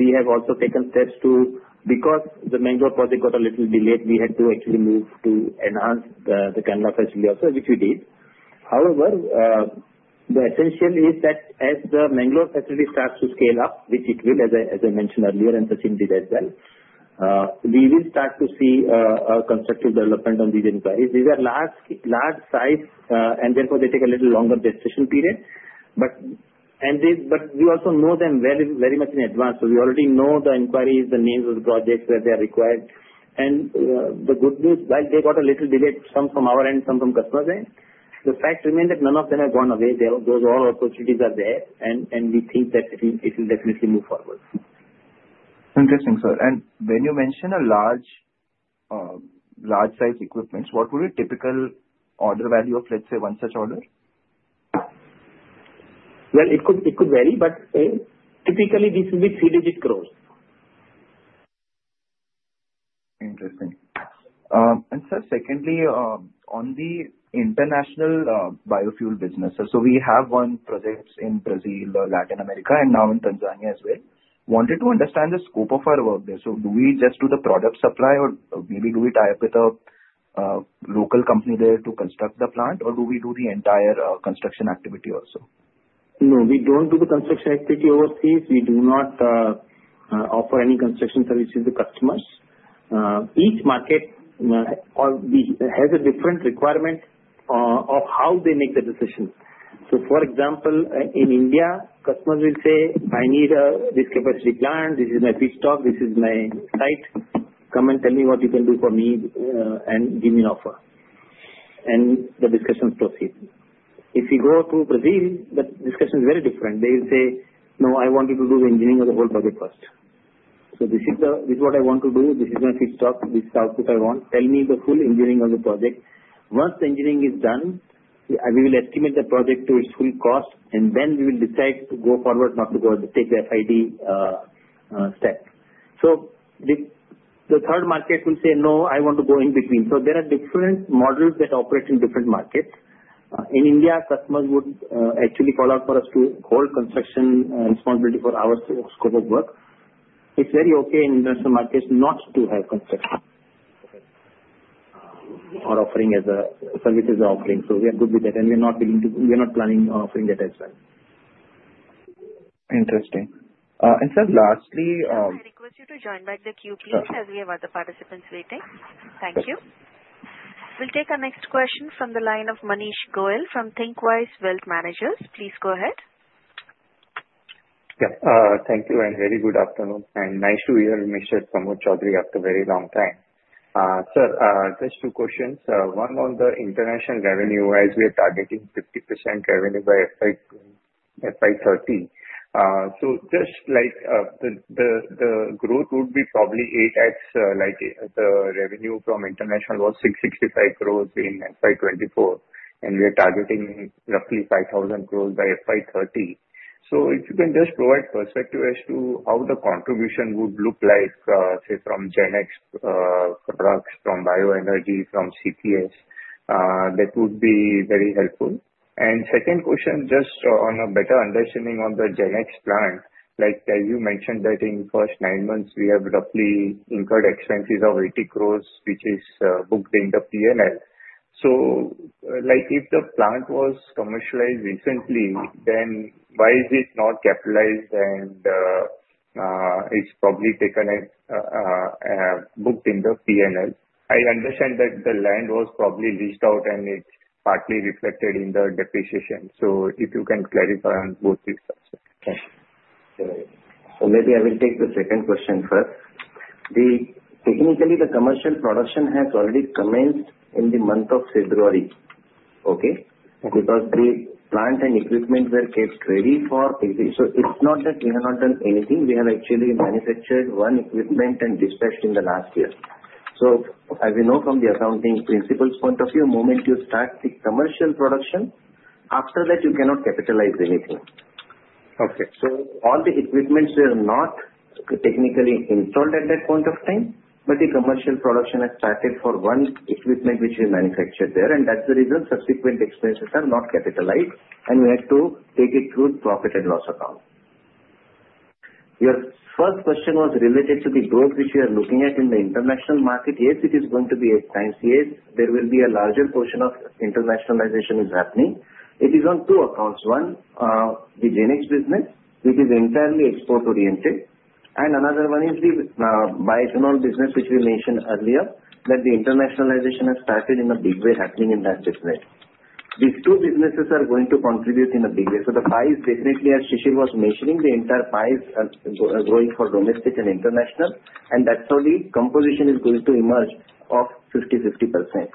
we have also taken steps to, because the Mangalore project got a little delayed, we had to actually move to enhance the Kandla facility also, which we did. However, the essence is that as the Mangalore facility starts to scale up, which it will, as I mentioned earlier, and Sachin did as well, we will start to see a constructive development on these inquiries. These are large size, and therefore they take a little longer decision period. But we also know them very much in advance. So we already know the inquiries, the names of the projects where they are required. And the good news, while they got a little delay, some from our end, some from customers' end, the fact remains that none of them have gone away. Those all opportunities are there, and we think that it will definitely move forward. Interesting, sir. And when you mentioned large-sized equipments, what would be a typical order value of, let's say, one such order? It could vary, but typically, this will be three-digit crores. Interesting. And, sir, secondly, on the international biofuel business, so we have one project in Brazil, Latin America, and now in Tanzania as well. Wanted to understand the scope of our work there. So, do we just do the product supply, or maybe do we tie up with a local company there to construct the plant, or do we do the entire construction activity also? No, we don't do the construction activity overseas. We do not offer any construction services to customers. Each market has a different requirement of how they make the decision. So for example, in India, customers will say, "I need this capacity plant. This is my feedstock. This is my site. Come and tell me what you can do for me and give me an offer." And the discussions proceed. If you go to Brazil, the discussion is very different. They will say, "No, I want you to do the engineering of the whole project first. So this is what I want to do. This is my feedstock. This is the output I want. Tell me the full engineering of the project." Once the engineering is done, we will estimate the project to its full cost, and then we will decide to go forward, not to take the FID step. So the third market will say, "No, I want to go in between." So there are different models that operate in different markets. In India, customers would actually call out for us to hold construction responsibility for our scope of work. It's very okay in international markets not to have construction or offering as a service as an offering. So we are good with that, and we are not planning on offering that as well. Interesting, and sir, lastly. I'd like to request you to join back the queue, please, as we have other participants waiting. Thank you. We'll take our next question from the line of Manish Goel from Thinkwise Wealth Managers. Please go ahead. Yes. Thank you, and very good afternoon. And nice to hear you meet with Pramod Chaudhari after a very long time. Sir, just two questions. One on the international revenue, as we are targeting 50% revenue by FY30. So just the growth would be probably 8X. The revenue from international was 665 crores in FY24, and we are targeting roughly 5,000 crores by FY30. So if you can just provide perspective as to how the contribution would look like, say, from GenX products, from bioenergy, from CPES, that would be very helpful. And second question, just on a better understanding on the GenX plant, as you mentioned that in the first nine months, we have roughly incurred expenses of 80 crores, which is booked in the P&L. So if the plant was commercialized recently, then why is it not capitalized and it's probably booked in the P&L? I understand that the land was probably leased out, and it's partly reflected in the depreciation. So if you can clarify on both these subjects? Thank you. So maybe I will take the second question first. Technically, the commercial production has already commenced in the month of February, okay? Because the plant and equipment were kept ready for. So it's not that we have not done anything. We have actually manufactured one equipment and dispatched in the last year. So as we know from the accounting principles point of view, the moment you start the commercial production, after that, you cannot capitalize anything. So all the equipments were not technically installed at that point of time, but the commercial production has started for one equipment which we manufactured there, and that's the reason subsequent expenses are not capitalized, and we had to take it through the profit and loss account. Your first question was related to the growth which you are looking at in the international market. Yes, it is going to be at times. Yes, there will be a larger portion of internationalization happening. It is on two accounts. One, the GenX business, which is entirely export-oriented, and another one is the bioethanol business, which we mentioned earlier, that the internationalization has started in a big way happening in that business. These two businesses are going to contribute in a big way. So the pie definitely, as Shishir was mentioning, the entire pie is growing for domestic and international, and that's how the composition is going to emerge of 50-50%.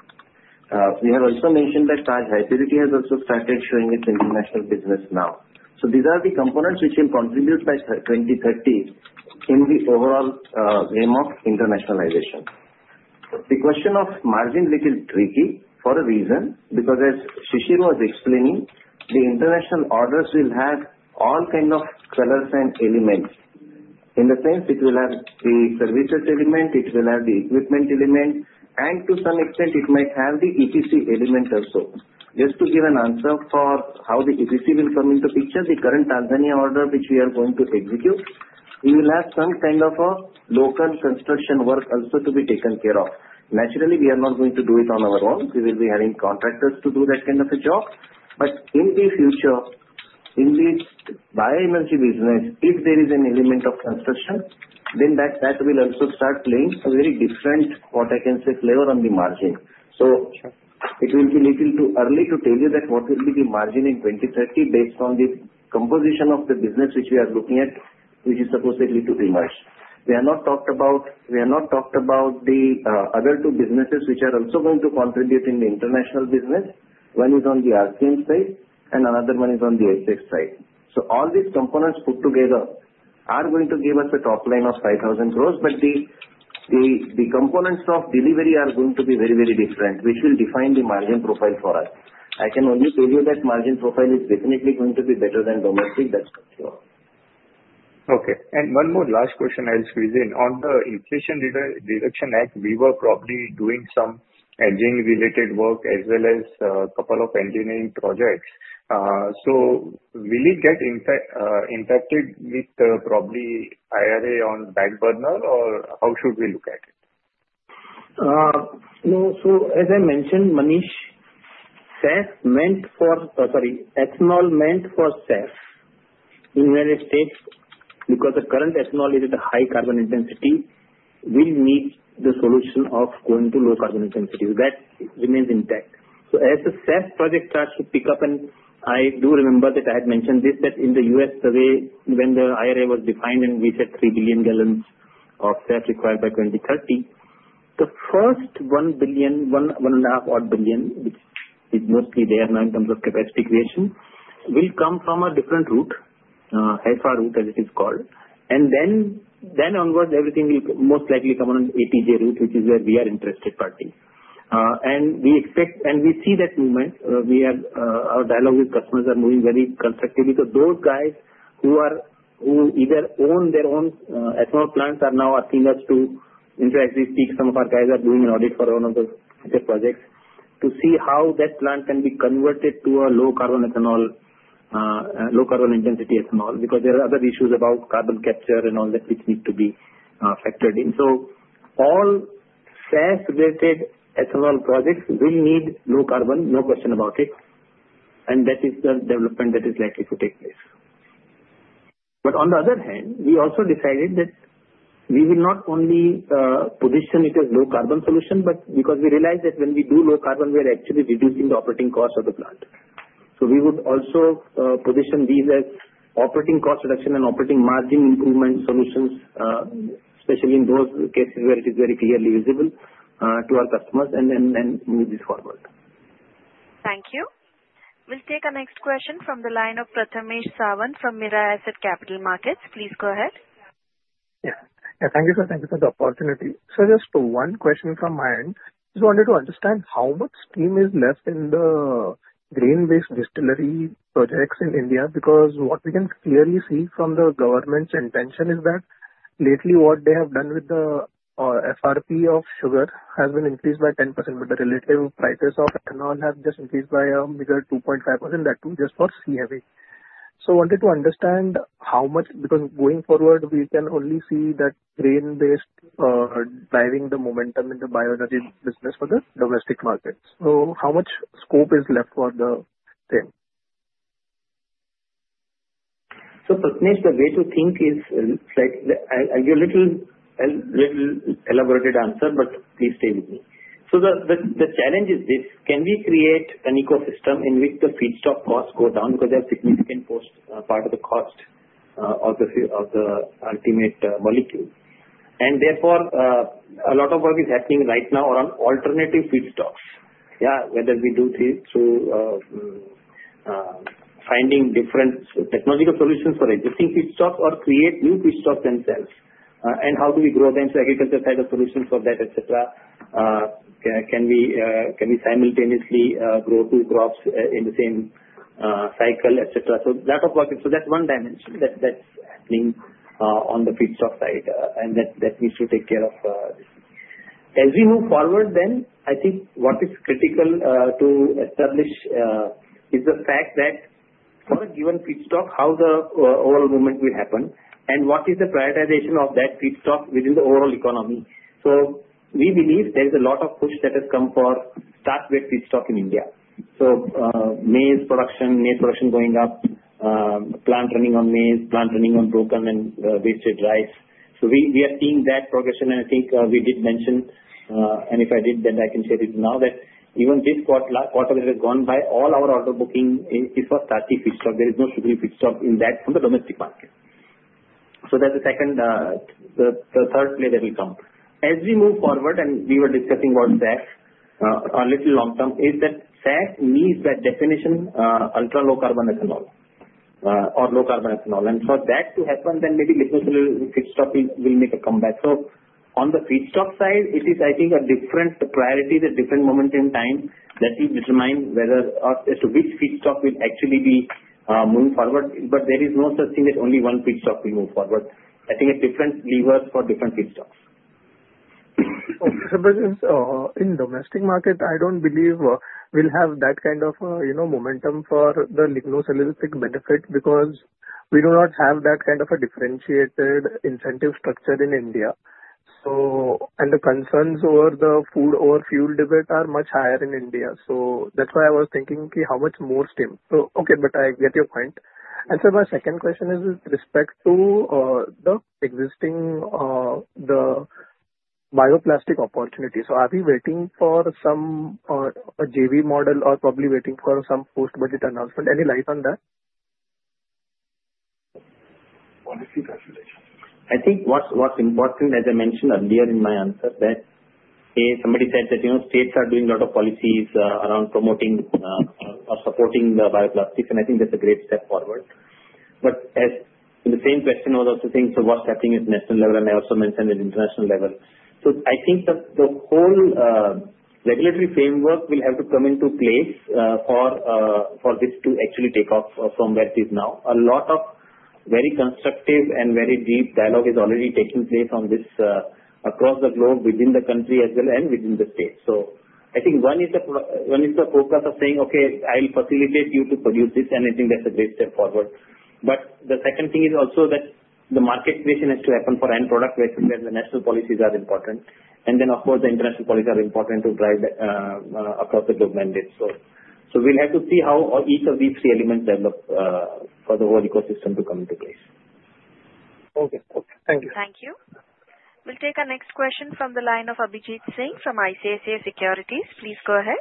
We have also mentioned that Praj HiPurity has also started showing its international business now. So these are the components which will contribute by 2030 in the overall game of internationalization. The question of margin is a bit tricky for a reason, because as Shishir was explaining, the international orders will have all kinds of sellers and elements. In the sense, it will have the services element, it will have the equipment element, and to some extent, it might have the EPC element also. Just to give an answer for how the EPC will come into picture, the current Tanzania order which we are going to execute, we will have some kind of a local construction work also to be taken care of. Naturally, we are not going to do it on our own. We will be having contractors to do that kind of a job. But in the future, in the bioenergy business, if there is an element of construction, then that will also start playing a very different flavor on the margin. So it will be a little too early to tell you what will be the margin in 2030 based on the composition of the business which we are looking at, which is supposedly to emerge. We have not talked about the other two businesses which are also going to contribute in the international business. One is on the RCM side, and another one is on the FX side. So all these components put together are going to give us a top line of 5,000 crores, but the components of delivery are going to be very, very different, which will define the margin profile for us. I can only tell you that margin profile is definitely going to be better than domestic. That's for sure. Okay, and one more last question, I'll squeeze in. On the Inflation Reduction Act, we were probably doing some engineering-related work as well as a couple of engineering projects, so will it get impacted with probably IRA on back burner, or how should we look at it? So as I mentioned, Manish, SAF meant for, sorry, ethanol meant for SAF in the United States, because the current ethanol is at a high carbon intensity, will need the solution of going to low carbon intensity. So that remains intact. So as the SAF project starts to pick up, and I do remember that I had mentioned this, that in the U.S., the way when the IRA was defined and we said 3 billion gallons of SAF required by 2030, the first 1 billion, 1.5 odd billion, which is mostly there now in terms of capacity creation, will come from a different route, HEFA route as it is called. And then onwards, everything will most likely come on an ATJ route, which is where we are interested partly. And we see that movement. Our dialogue with customers is moving very constructively. Those guys who either own their own ethanol plants are now asking us to interact with, speak. Some of our guys are doing an audit for one of the projects to see how that plant can be converted to a low carbon intensity ethanol, because there are other issues about carbon capture and all that which need to be factored in. All SAF-related ethanol projects will need low carbon, no question about it. That is the development that is likely to take place. On the other hand, we also decided that we will not only position it as low carbon solution, but because we realized that when we do low carbon, we are actually reducing the operating cost of the plant. So we would also position these as operating cost reduction and operating margin improvement solutions, especially in those cases where it is very clearly visible to our customers, and then move this forward. Thank you. We'll take our next question from the line of Prathamesh Sawant from Mirae Asset Capital Markets. Please go ahead. Yeah. Thank you, sir. Thank you for the opportunity. Sir, just one question from my end. I just wanted to understand how much steam is left in the grain-based distillery projects in India, because what we can clearly see from the government's intention is that lately what they have done with the FRP of sugar has been increased by 10%, but the relative prices of ethanol have just increased by a meager 2.5%, that too, just for C-Heavy. So I wanted to understand how much, because going forward, we can only see that grain-based driving the momentum in the bioenergy business for the domestic market. So how much scope is left for the same? So Prathamesh, the way to think is, it's like you're a little elaborated answer, but please stay with me. So the challenge is this. Can we create an ecosystem in which the feedstock costs go down because there are significant part of the cost of the ultimate molecule? And therefore, a lot of work is happening right now around alternative feedstocks, yeah, whether we do this through finding different technological solutions for existing feedstocks or create new feedstocks themselves. And how do we grow them? So agriculture has a solution for that, etc. Can we simultaneously grow two crops in the same cycle, etc.? So that's one dimension that's happening on the feedstock side, and that needs to take care of this. As we move forward, then, I think what is critical to establish is the fact that for a given feedstock, how the overall movement will happen and what is the prioritization of that feedstock within the overall economy. So we believe there is a lot of push that has come for starch-based feedstock in India. So maize production, maize production going up, plant running on maize, plant running on broken and wasted rice. So we are seeing that progression, and I think we did mention, and if I did, then I can share it now, that even this quarter that has gone by, all our order booking is for starchy feedstock. There is no sugary feedstock in that from the domestic market. So that's the second, the third play that will come. As we move forward, and we were discussing about SAF a little long term, is that SAF needs that definition: ultra-low carbon ethanol or low carbon ethanol. And for that to happen, then maybe lignocellulose feedstock will make a comeback. So on the feedstock side, it is, I think, a different priority, a different moment in time that will determine whether or as to which feedstock will actually be moving forward. But there is no such thing that only one feedstock will move forward. I think it's different levers for different feedstocks. So Prathamesh, in the domestic market, I don't believe we'll have that kind of momentum for the lignocellulose benefit because we do not have that kind of a differentiated incentive structure in India. And the concerns over the food or fuel debate are much higher in India. So that's why I was thinking, okay, how much more steam? So okay, but I get your point. And sir, my second question is with respect to the existing bioplastic opportunity. So are we waiting for some JV model or probably waiting for some post-budget announcement? Any light on that? I think what's important, as I mentioned earlier in my answer, that somebody said that states are doing a lot of policies around promoting or supporting the bioplastics, and I think that's a great step forward. But the same question was also saying, so what's happening at national level?, and I also mentioned at international level, so I think the whole regulatory framework will have to come into place for this to actually take off from where it is now. A lot of very constructive and very deep dialogue is already taking place across the globe within the country as well and within the states, so I think one is the focus of saying, okay, I'll facilitate you to produce this, and I think that's a great step forward. But the second thing is also that the market creation has to happen for end product where the national policies are important. And then, of course, the international policies are important to drive across the globe mandates. So we'll have to see how each of these three elements develop for the whole ecosystem to come into place. Okay. Okay. Thank you. Thank you. We'll take our next question from the line of Abhijeet Singh from ICICI Securities. Please go ahead.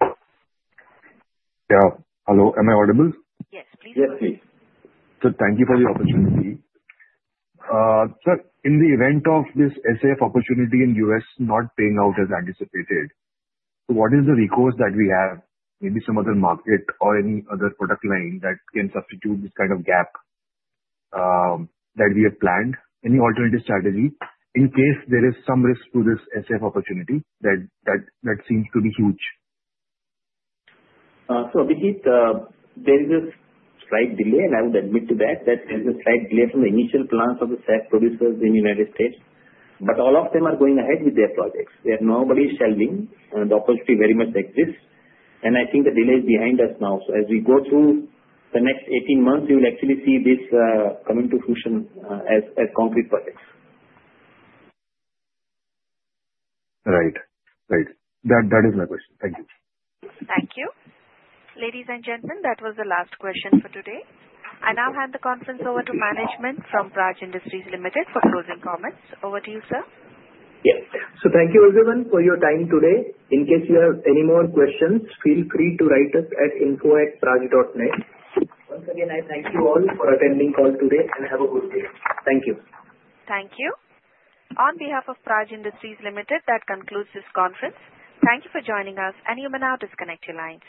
Yeah. Hello. Am I audible? Yes. Please go ahead. Yes, please. Thank you for the opportunity. Sir, in the event of this SAF opportunity in the U.S. not paying out as anticipated, what is the recourse that we have, maybe some other market or any other product line that can substitute this kind of gap that we have planned? Any alternative strategy in case there is some risk to this SAF opportunity that seems to be huge? So Abhijeet, there is a slight delay, and I would admit to that, that there is a slight delay from the initial plans of the SAF producers in the United States. But all of them are going ahead with their projects. Nobody is shelving. The opportunity very much exists. And I think the delay is behind us now. So as we go through the next 18 months, we will actually see this coming to fruition as concrete projects. Right. Right. That is my question. Thank you. Thank you. Ladies and gentlemen, that was the last question for today. I now hand the conference over to management from Praj Industries Limited for closing comments. Over to you, sir. Yes. So thank you, everyone, for your time today. In case you have any more questions, feel free to write us at info@praj.net. Once again, I thank you all for attending call today and have a good day. Thank you. Thank you. On behalf of Praj Industries Limited, that concludes this conference. Thank you for joining us, and you may now disconnect your lines.